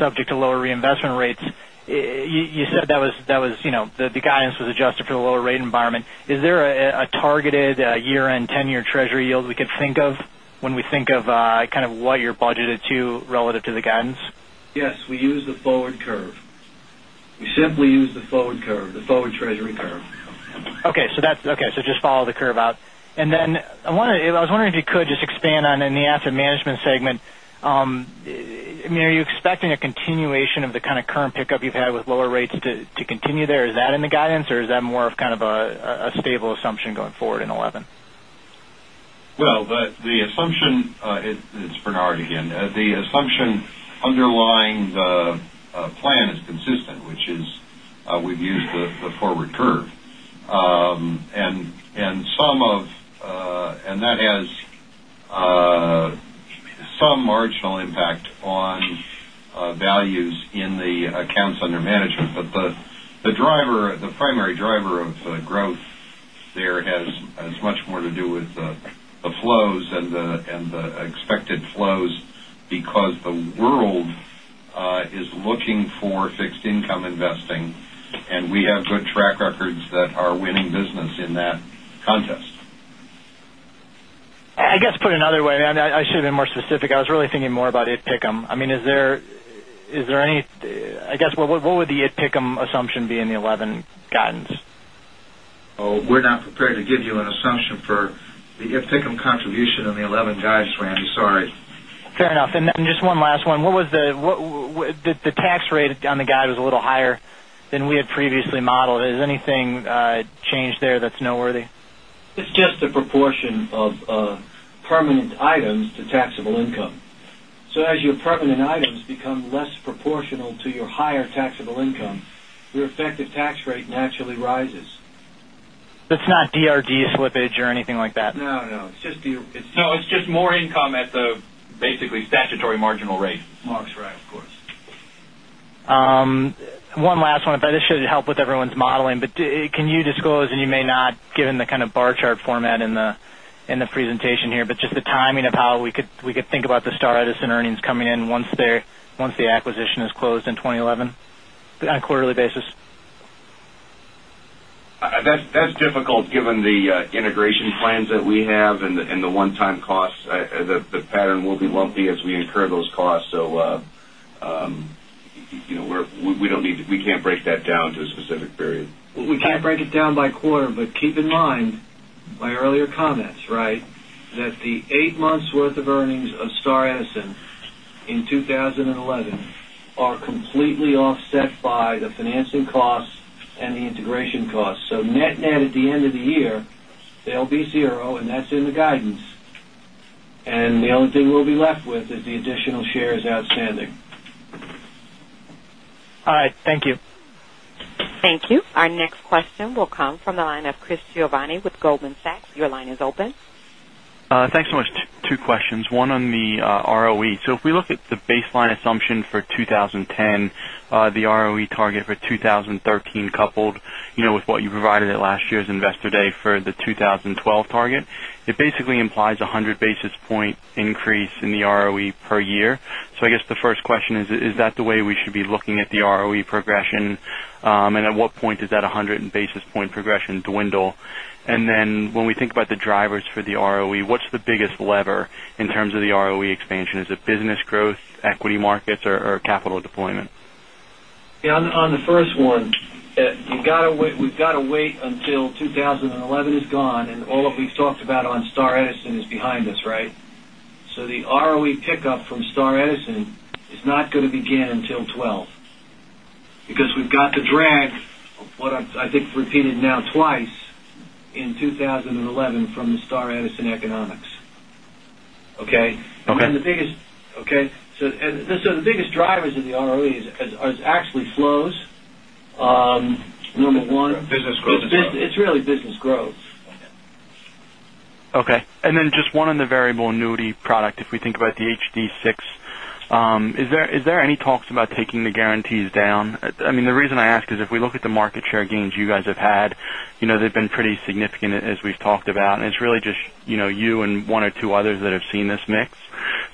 subject to lower reinvestment rates, you said that the guidance was adjusted for the lower rate environment. Is there a targeted year-end 10-year Treasury yield we could think of when we think of kind of what you're budgeted to relative to the guidance? Yes, we use the forward curve. We simply use the forward curve, the forward Treasury curve. Okay, just follow the curve out. I was wondering if you could just expand on, in the asset management segment, are you expecting a continuation of the kind of current pickup you've had with lower rates to continue there? Is that in the guidance, or is that more of kind of a stable assumption going forward in 2011? Well, it's Bernard again. The assumption underlying the plan is consistent, which is we've used the forward curve. That has some marginal impact on values in the accounts under management. The primary driver of growth there has much more to do with the flows and the expected flows because the world is looking for fixed income investing, and we have good track records that are winning business in that contest. I guess, put another way, I should've been more specific. I was really thinking more about it pick-em. I guess, what would the it pick-em assumption be in the 2011 guidance? Oh, we're not prepared to give you an assumption for the it pick-em contribution in the 2011 guidance, Randy. Sorry. Fair enough. Just one last one. The tax rate on the guide was a little higher than we had previously modeled. Is anything changed there that's noteworthy? It's just the proportion of permanent items to taxable income. As your permanent items become less proportional to your higher taxable income, your effective tax rate naturally rises. That's not DRG slippage or anything like that? No. No, it's just more income at the basically statutory marginal rate. Mark's right, of course. One last one. This should help with everyone's modeling. Can you disclose, and you may not, given the kind of bar chart format in the presentation here, just the timing of how we could think about the Star Edison earnings coming in once the acquisition is closed in 2011 on a quarterly basis? That's difficult given the integration plans that we have and the one-time costs. The pattern will be lumpy as we incur those costs. We can't break that down to a specific period. We can't break it down by quarter. Keep in mind my earlier comments. That the eight months’ worth of earnings of Star Edison in 2011 are completely offset by the financing costs and the integration costs. Net at the end of the year, they'll be zero, and that's in the guidance. The only thing we'll be left with is the additional shares outstanding. All right. Thank you. Thank you. Our next question will come from the line of Chris Giovanni with Goldman Sachs. Your line is open. Thanks so much. Two questions. One on the ROE. If we look at the baseline assumption for 2010, the ROE target for 2013, coupled with what you provided at last year's Investor Day for the 2012 target, it basically implies a 100-basis point increase in the ROE per year. I guess the first question is that the way we should be looking at the ROE progression? And at what point does that 100-basis point progression dwindle? And then when we think about the drivers for the ROE, what's the biggest lever in terms of the ROE expansion? Is it business growth, equity markets, or capital deployment? On the first one, we've got to wait until 2011 is gone, and all that we've talked about on Star Edison is behind us. The ROE pickup from Star Edison is not going to begin until 2012 because we've got the drag of what I think repeated now twice in 2011 from the Star Edison economics. Okay? Okay. The biggest drivers of the ROE are actually flows, number one. Business growth and flow. It's really business growth. Okay. Then just one on the variable annuity product, if we think about the HD6. Is there any talks about taking the guarantees down? The reason I ask is if we look at the market share gains you guys have had, they've been pretty significant as we've talked about, and it's really just you and one or two others that have seen this mix.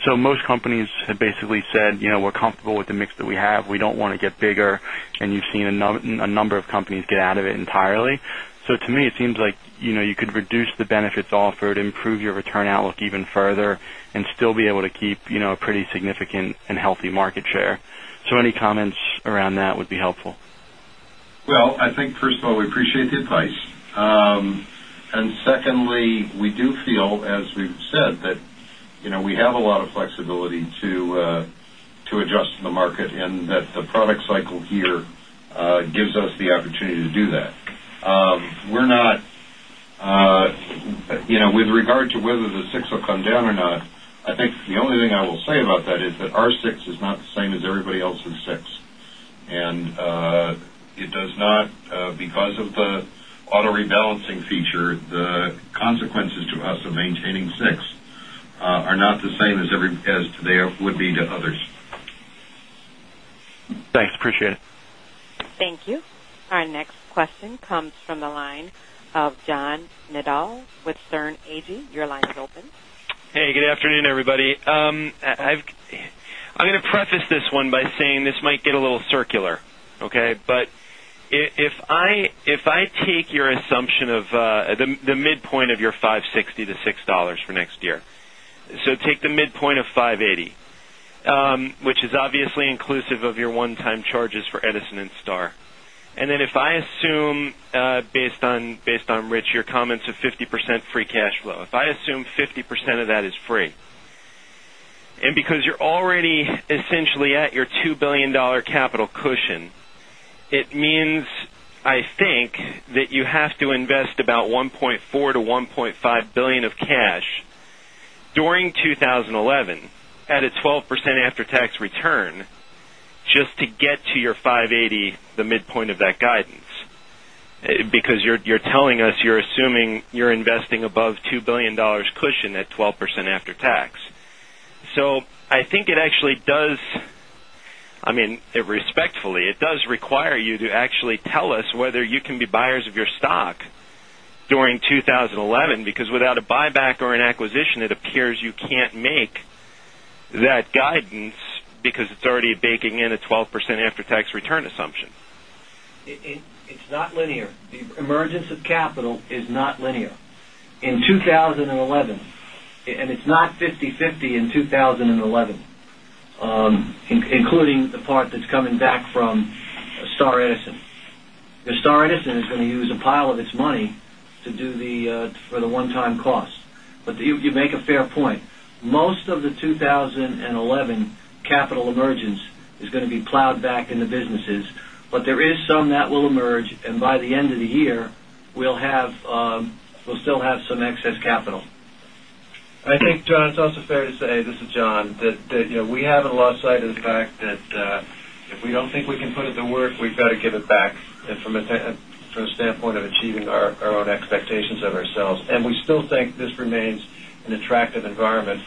Most companies have basically said, "We're comfortable with the mix that we have. We don't want to get bigger." You've seen a number of companies get out of it entirely. To me, it seems like you could reduce the benefits offered, improve your return outlook even further, and still be able to keep a pretty significant and healthy market share. Any comments around that would be helpful. Well, I think first of all, we appreciate the advice. Secondly, we do feel, as we've said, that we have a lot of flexibility to adjust to the market and that the product cycle here gives us the opportunity to do that. With regard to whether the 6 will come down or not, I think the only thing I will say about that is that our 6 is not the same as everybody else's 6. Because of the auto-rebalancing feature, the consequences to us of maintaining 6 are not the same as they would be to others. Thanks. Appreciate it. Thank you. Our next question comes from the line of John Nadel with Sterne, Agee. Your line is open. Good afternoon, everybody. I am going to preface this one by saying this might get a little circular. If I take your assumption of the midpoint of your $5.60 to $6 for next year. Take the midpoint of $5.80, which is obviously inclusive of your one-time charges for Edison and Star. Then if I assume, based on, Rich, your comments of 50% free cash flow. If I assume 50% of that is free, and because you are already essentially at your $2 billion capital cushion, it means, I think, that you have to invest about $1.4 billion-$1.5 billion of cash during 2011 at a 12% after-tax return just to get to your $5.80, the midpoint of that guidance. Because you are telling us you are assuming you are investing above $2 billion cushion at 12% after tax. I think it actually does, respectfully, it does require you to actually tell us whether you can be buyers of your stock during 2011, because without a buyback or an acquisition, it appears you cannot make that guidance because it is already baking in a 12% after-tax return assumption. It is not linear. The emergence of capital is not linear. In 2011, and it is not 50/50 in 2011, including the part that is coming back from Star Edison. Star Edison is going to use a pile of its money for the one-time cost. You make a fair point. Most of the 2011 capital emergence is going to be plowed back into businesses, but there is some that will emerge, and by the end of the year, we will still have some excess capital. I think, John, it is also fair to say, this is John, that we have not lost sight of the fact that if we do not think we can put it to work, we have got to give it back, and from a standpoint of achieving our own expectations of ourselves. We still think this remains an attractive environment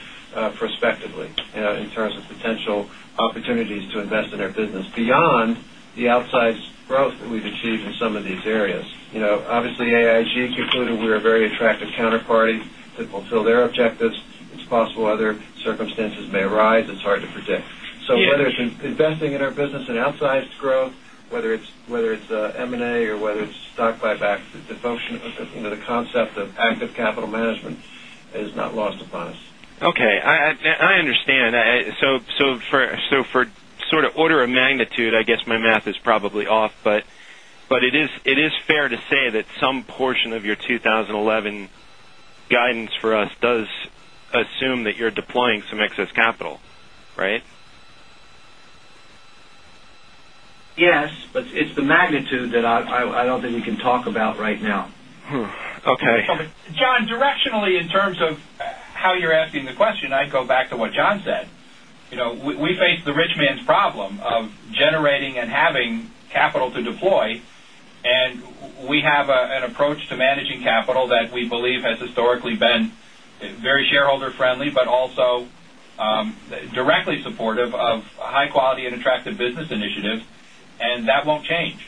prospectively in terms of potential opportunities to invest in our business beyond the outsized growth that we have achieved in some of these areas. Obviously, AIG concluded we are a very attractive counterparty to fulfill their objectives. It is possible other circumstances may arise. It is hard to predict. Yeah. Whether it's investing in our business and outsized growth, whether it's M&A or whether it's stock buybacks, the concept of active capital management is not lost upon us. Okay. I understand. For sort of order of magnitude, I guess my math is probably off, but it is fair to say that some portion of your 2011 guidance for us does assume that you're deploying some excess capital, right? Yes, it's the magnitude that I don't think we can talk about right now. Okay. John, directionally, in terms of how you're asking the question, I'd go back to what John said. We face the rich man's problem of generating and having capital to deploy, and we have an approach to managing capital that we believe has historically been very shareholder-friendly, but also directly supportive of high quality and attractive business initiatives, and that won't change.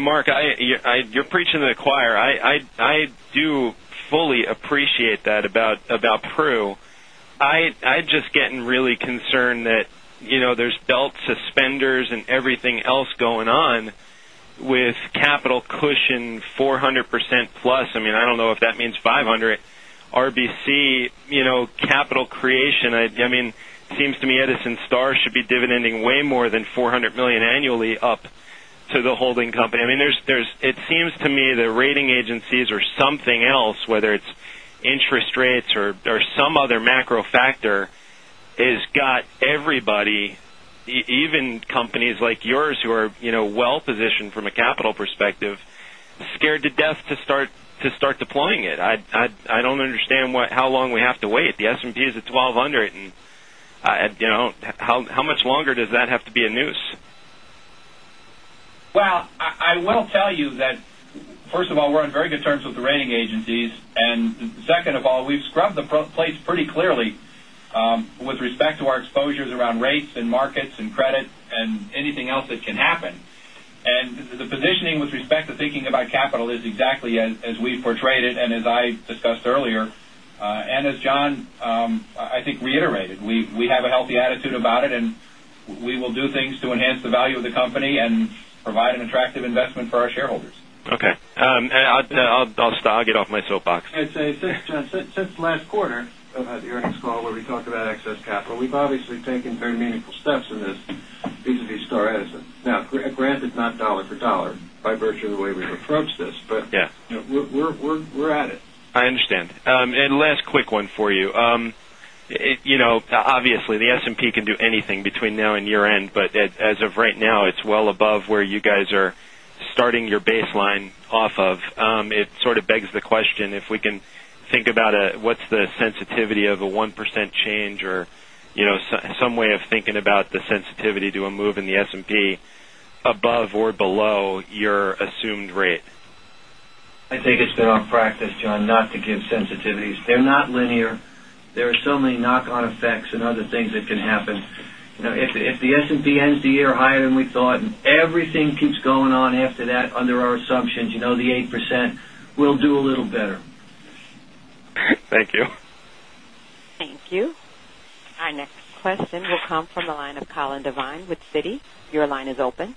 Mark, you're preaching to the choir. I do fully appreciate that about Pru. I'm just getting really concerned that there's belt suspenders and everything else going on with capital cushion 400% plus. I don't know if that means 500. RBC capital creation, it seems to me Edison Star should be dividend-ing way more than $400 million annually up to the holding company. It seems to me the rating agencies or something else, whether it's interest rates or some other macro factor, has got everybody, even companies like yours who are well-positioned from a capital perspective, scared to death to start deploying it. I don't understand how long we have to wait. The S&P is at 1,200. How much longer does that have to be a noose? Well, I will tell you that, first of all, we're on very good terms with the rating agencies. Second of all, we've scrubbed the place pretty clearly with respect to our exposures around rates and markets and credit and anything else that can happen. The positioning with respect to thinking about capital is exactly as we've portrayed it and as I discussed earlier, and as John, I think, reiterated. We have a healthy attitude about it, and we will do things to enhance the value of the company and provide an attractive investment for our shareholders. Okay. I'll get off my soapbox. I'd say, since last quarter, I've had the earnings call where we talked about excess capital. We've obviously taken very meaningful steps in this vis-à-vis Star Edison. Now, granted, not dollar for dollar by virtue of the way we've approached this. Yeah We're at it. I understand. Last quick one for you. Obviously, the S&P can do anything between now and year-end, but as of right now, it's well above where you guys are starting your baseline off of, it sort of begs the question if we can think about what's the sensitivity of a 1% change or some way of thinking about the sensitivity to a move in the S&P above or below your assumed rate. I think it's been our practice, John, not to give sensitivities. They're not linear. There are so many knock-on effects and other things that can happen. If the S&P ends the year higher than we thought, everything keeps going on after that under our assumptions, the 8%, we'll do a little better. Thank you. Thank you. Our next question will come from the line of Colin Devine with Citi. Your line is open.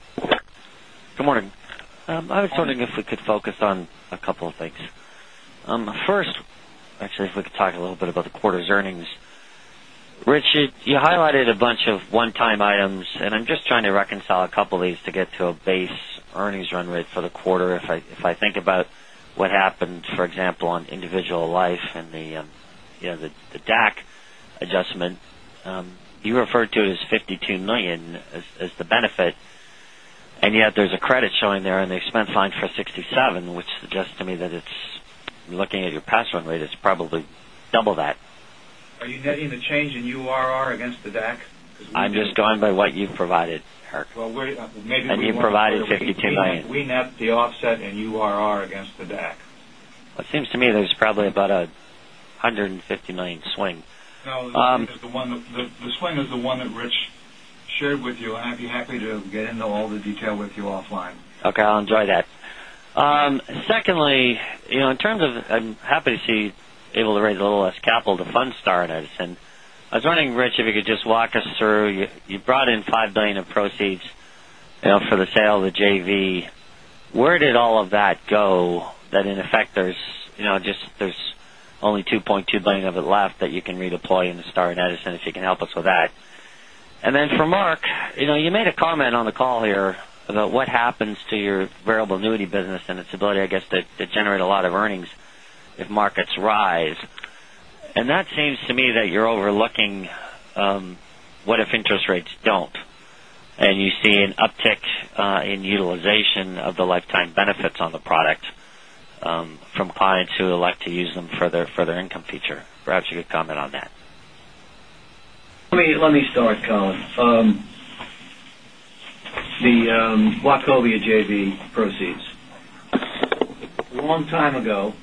Good morning. I was wondering if we could focus on a couple of things. First, actually, if we could talk a little bit about the quarter's earnings. Rich, you highlighted a bunch of one-time items, and I'm just trying to reconcile a couple of these to get to a base earnings run rate for the quarter. If I think about what happened, for example, on individual life and the DAC adjustment, you referred to it as $52 million as the benefit. And yet there's a credit showing there in the expense line for $67, which suggests to me that it's, looking at your past run rate, it's probably double that. Are you netting the change in URR against the DAC? I'm just going by what you've provided, Herk. Well, maybe. You provided $52 million. We net the offset in URR against the DAC. It seems to me there's probably about a $150 million swing. No. The swing is the one that Rich shared with you, and I'd be happy to get into all the detail with you offline. Okay. I'll enjoy that. Secondly, I'm happy to see you're able to raise a little less capital to fund Star Edison. I was wondering, Rich, if you could just walk us through. You brought in $5 billion of proceeds for the sale of the JV. Where did all of that go that in effect there's only $2.2 billion of it left that you can redeploy into Star Edison, if you can help us with that. Then for Mark, you made a comment on the call here about what happens to your variable annuity business and its ability, I guess, to generate a lot of earnings if markets rise. That seems to me that you're overlooking what if interest rates don't, and you see an uptick in utilization of the lifetime benefits on the product from clients who elect to use them for their income feature. Perhaps you could comment on that. Let me start, Colin. The Wachovia JV proceeds. A long time ago,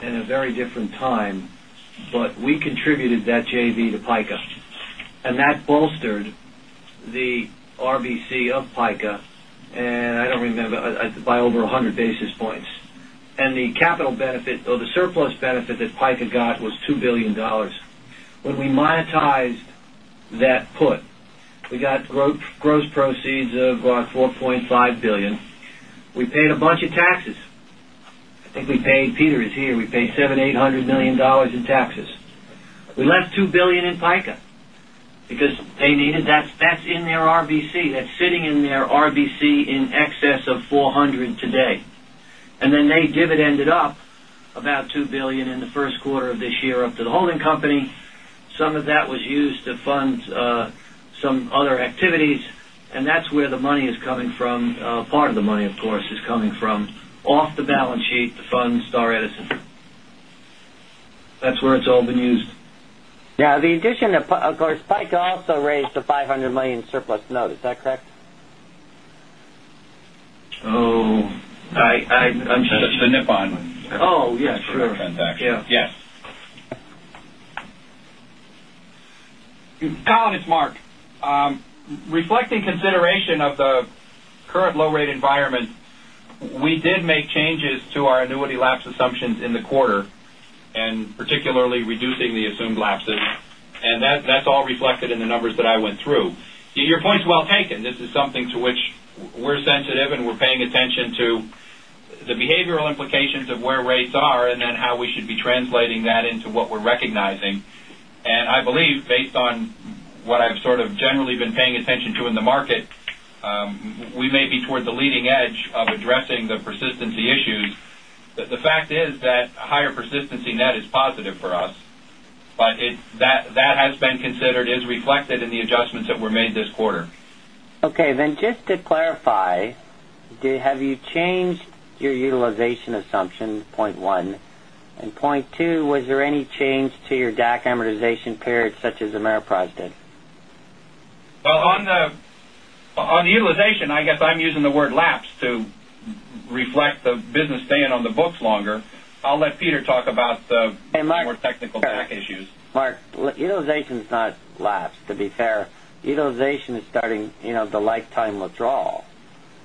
in a very different time, but we contributed that JV to PICA. That bolstered the RBC of PICA, and I don't remember, by over 100 basis points. The capital benefit or the surplus benefit that PICA got was $2 billion. When we monetized that put, we got gross proceeds of $4.5 billion. We paid a bunch of taxes. I think we paid, Peter is here, we paid $700 million, $800 million in taxes. We left $2 billion in PICA because they needed that. That's in their RBC. That's sitting in their RBC in excess of 400 today. Then they dividended up about $2 billion in the first quarter of this year up to the holding company. Some of that was used to fund some other activities, and that's where the money is coming from. Part of the money, of course, is coming from off the balance sheet to fund Star Edison. That's where it's all been used. Yeah. The addition, of course, PICA also raised a $500 million surplus note. Is that correct? Oh. It's the Nippon. Oh, yeah, sure. Transaction. Yeah. Yes. Colin, it's Mark. Reflecting consideration of the current low rate environment, we did make changes to our annuity lapse assumptions in the quarter, particularly reducing the assumed lapses. That's all reflected in the numbers that I went through. Your point's well taken. This is something to which we're sensitive, and we're paying attention to the behavioral implications of where rates are and how we should be translating that into what we're recognizing. I believe based on what I've sort of generally been paying attention to in the market, we may be toward the leading edge of addressing the persistency issues. The fact is that a higher persistency net is positive for us. That has been considered, is reflected in the adjustments that were made this quarter. Okay. Just to clarify, have you changed your utilization assumption, point one? Point two, was there any change to your DAC amortization period such as Ameriprise did? Well, on utilization, I guess I'm using the word lapse to reflect the business staying on the books longer. I'll let Peter talk about. Hey, Mark. more technical DAC issues. Mark, utilization is not lapse, to be fair. Utilization is starting the lifetime withdrawal.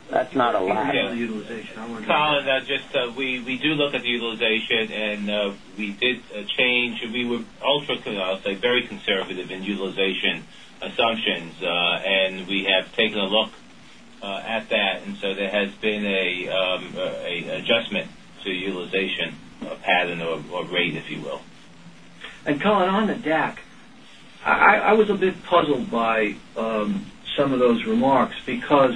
That's not a lapse. utilization. I want to-. Colin, we do look at utilization. We did change. We were ultra-conservative, very conservative in utilization assumptions. We have taken a look at that. There has been an adjustment to the utilization pattern or rate, if you will. Colin, on the DAC, I was a bit puzzled by some of those remarks because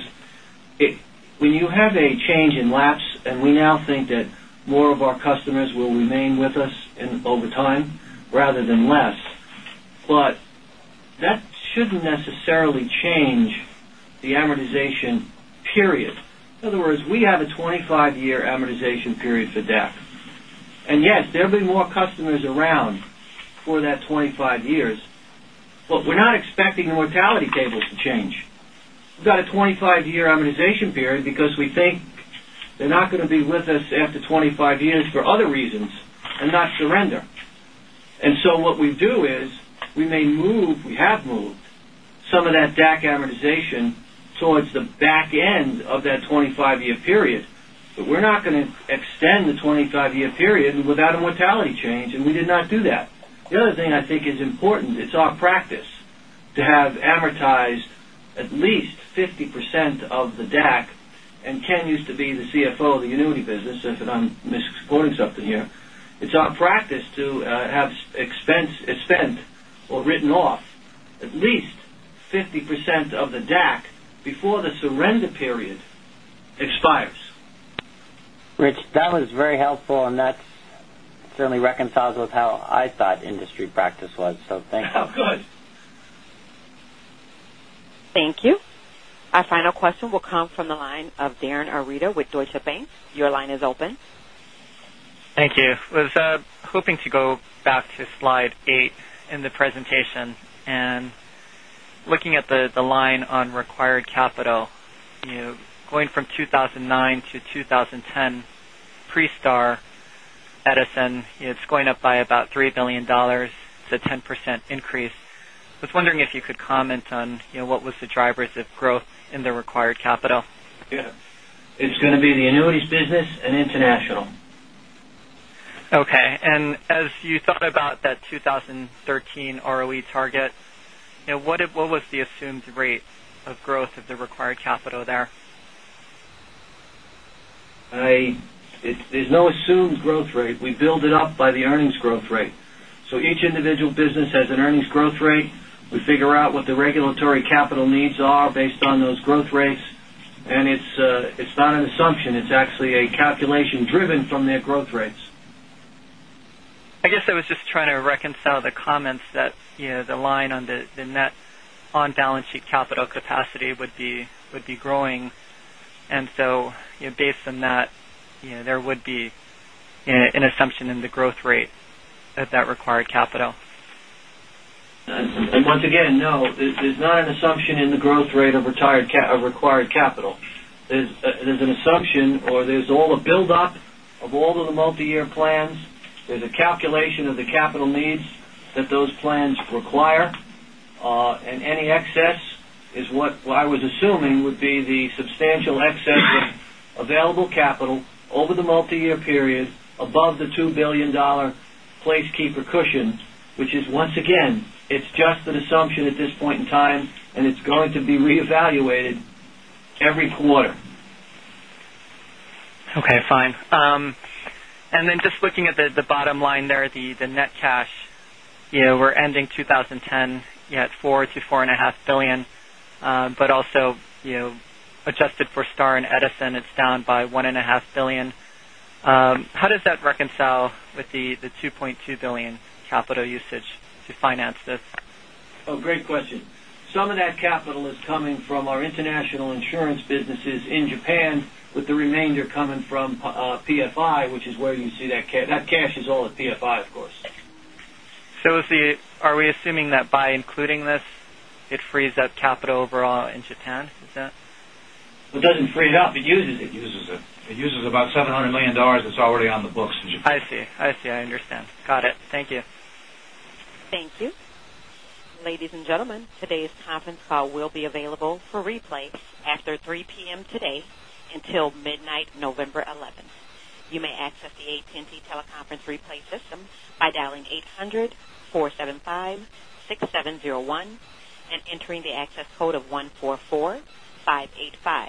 when you have a change in lapse, and we now think that more of our customers will remain with us over time rather than less. That shouldn't necessarily change the amortization period. In other words, we have a 25-year amortization period for DAC. Yes, there'll be more customers around for that 25 years, but we're not expecting the mortality tables to change. We've got a 25-year amortization period because we think they're not going to be with us after 25 years for other reasons, and not surrender. What we do is, we have moved some of that DAC amortization towards the back end of that 25-year period. We're not going to extend the 25-year period without a mortality change. We did not do that. The other thing I think is important, it's our practice to have amortized at least 50% of the DAC, and Ken used to be the CFO of the annuity business, if I'm misquoting something here. It's our practice to have expense spent or written off at least 50% of the DAC before the surrender period expires. Rich, that was very helpful. That certainly reconciles with how I thought industry practice was. Thank you. Oh, good. Thank you. Our final question will come from the line of Darin Arita with Deutsche Bank. Your line is open. Thank you. Was hoping to go back to slide eight in the presentation and looking at the line on required capital, going from 2009 to 2010, pre-Star Edison, it is going up by about $3 billion. It is a 10% increase. I was wondering if you could comment on what was the drivers of growth in the required capital. Yeah. It is going to be the annuities business and international. Okay. As you thought about that 2013 ROE target, what was the assumed rate of growth of the required capital there? There's no assumed growth rate. We build it up by the earnings growth rate. Each individual business has an earnings growth rate. We figure out what the regulatory capital needs are based on those growth rates. It's not an assumption. It's actually a calculation driven from their growth rates. I guess I was just trying to reconcile the comments that the line on the net on balance sheet capital capacity would be growing, based on that, there would be an assumption in the growth rate of that required capital. Once again, no, there's not an assumption in the growth rate of required capital. There's an assumption, or there's all a build up of all of the multi-year plans. There's a calculation of the capital needs that those plans require. Any excess is what I was assuming would be the substantial excess of available capital over the multi-year period above the $2 billion placekeeper cushion, which is, once again, it's just an assumption at this point in time, and it's going to be reevaluated every quarter. Okay, fine. Just looking at the bottom line there, the net cash, we're ending 2010 at $4 billion-$4.5 billion, but also, adjusted for STAR and Edison, it's down by $1.5 billion. How does that reconcile with the $2.2 billion capital usage to finance this? Oh, great question. Some of that capital is coming from our international insurance businesses in Japan, with the remainder coming from PFI, which is where you see that cash. That cash is all at PFI, of course. Are we assuming that by including this, it frees up capital overall in Japan? Is that It doesn't free it up. It uses it. It uses it. It uses about $700 million that's already on the books in Japan. I see. I understand. Got it. Thank you. Thank you. Ladies and gentlemen, today's conference call will be available for replay after 3:00 P.M. today until midnight, November 11th. You may access the AT&T teleconference replay system by dialing 800-475-6701 and entering the access code of 144585.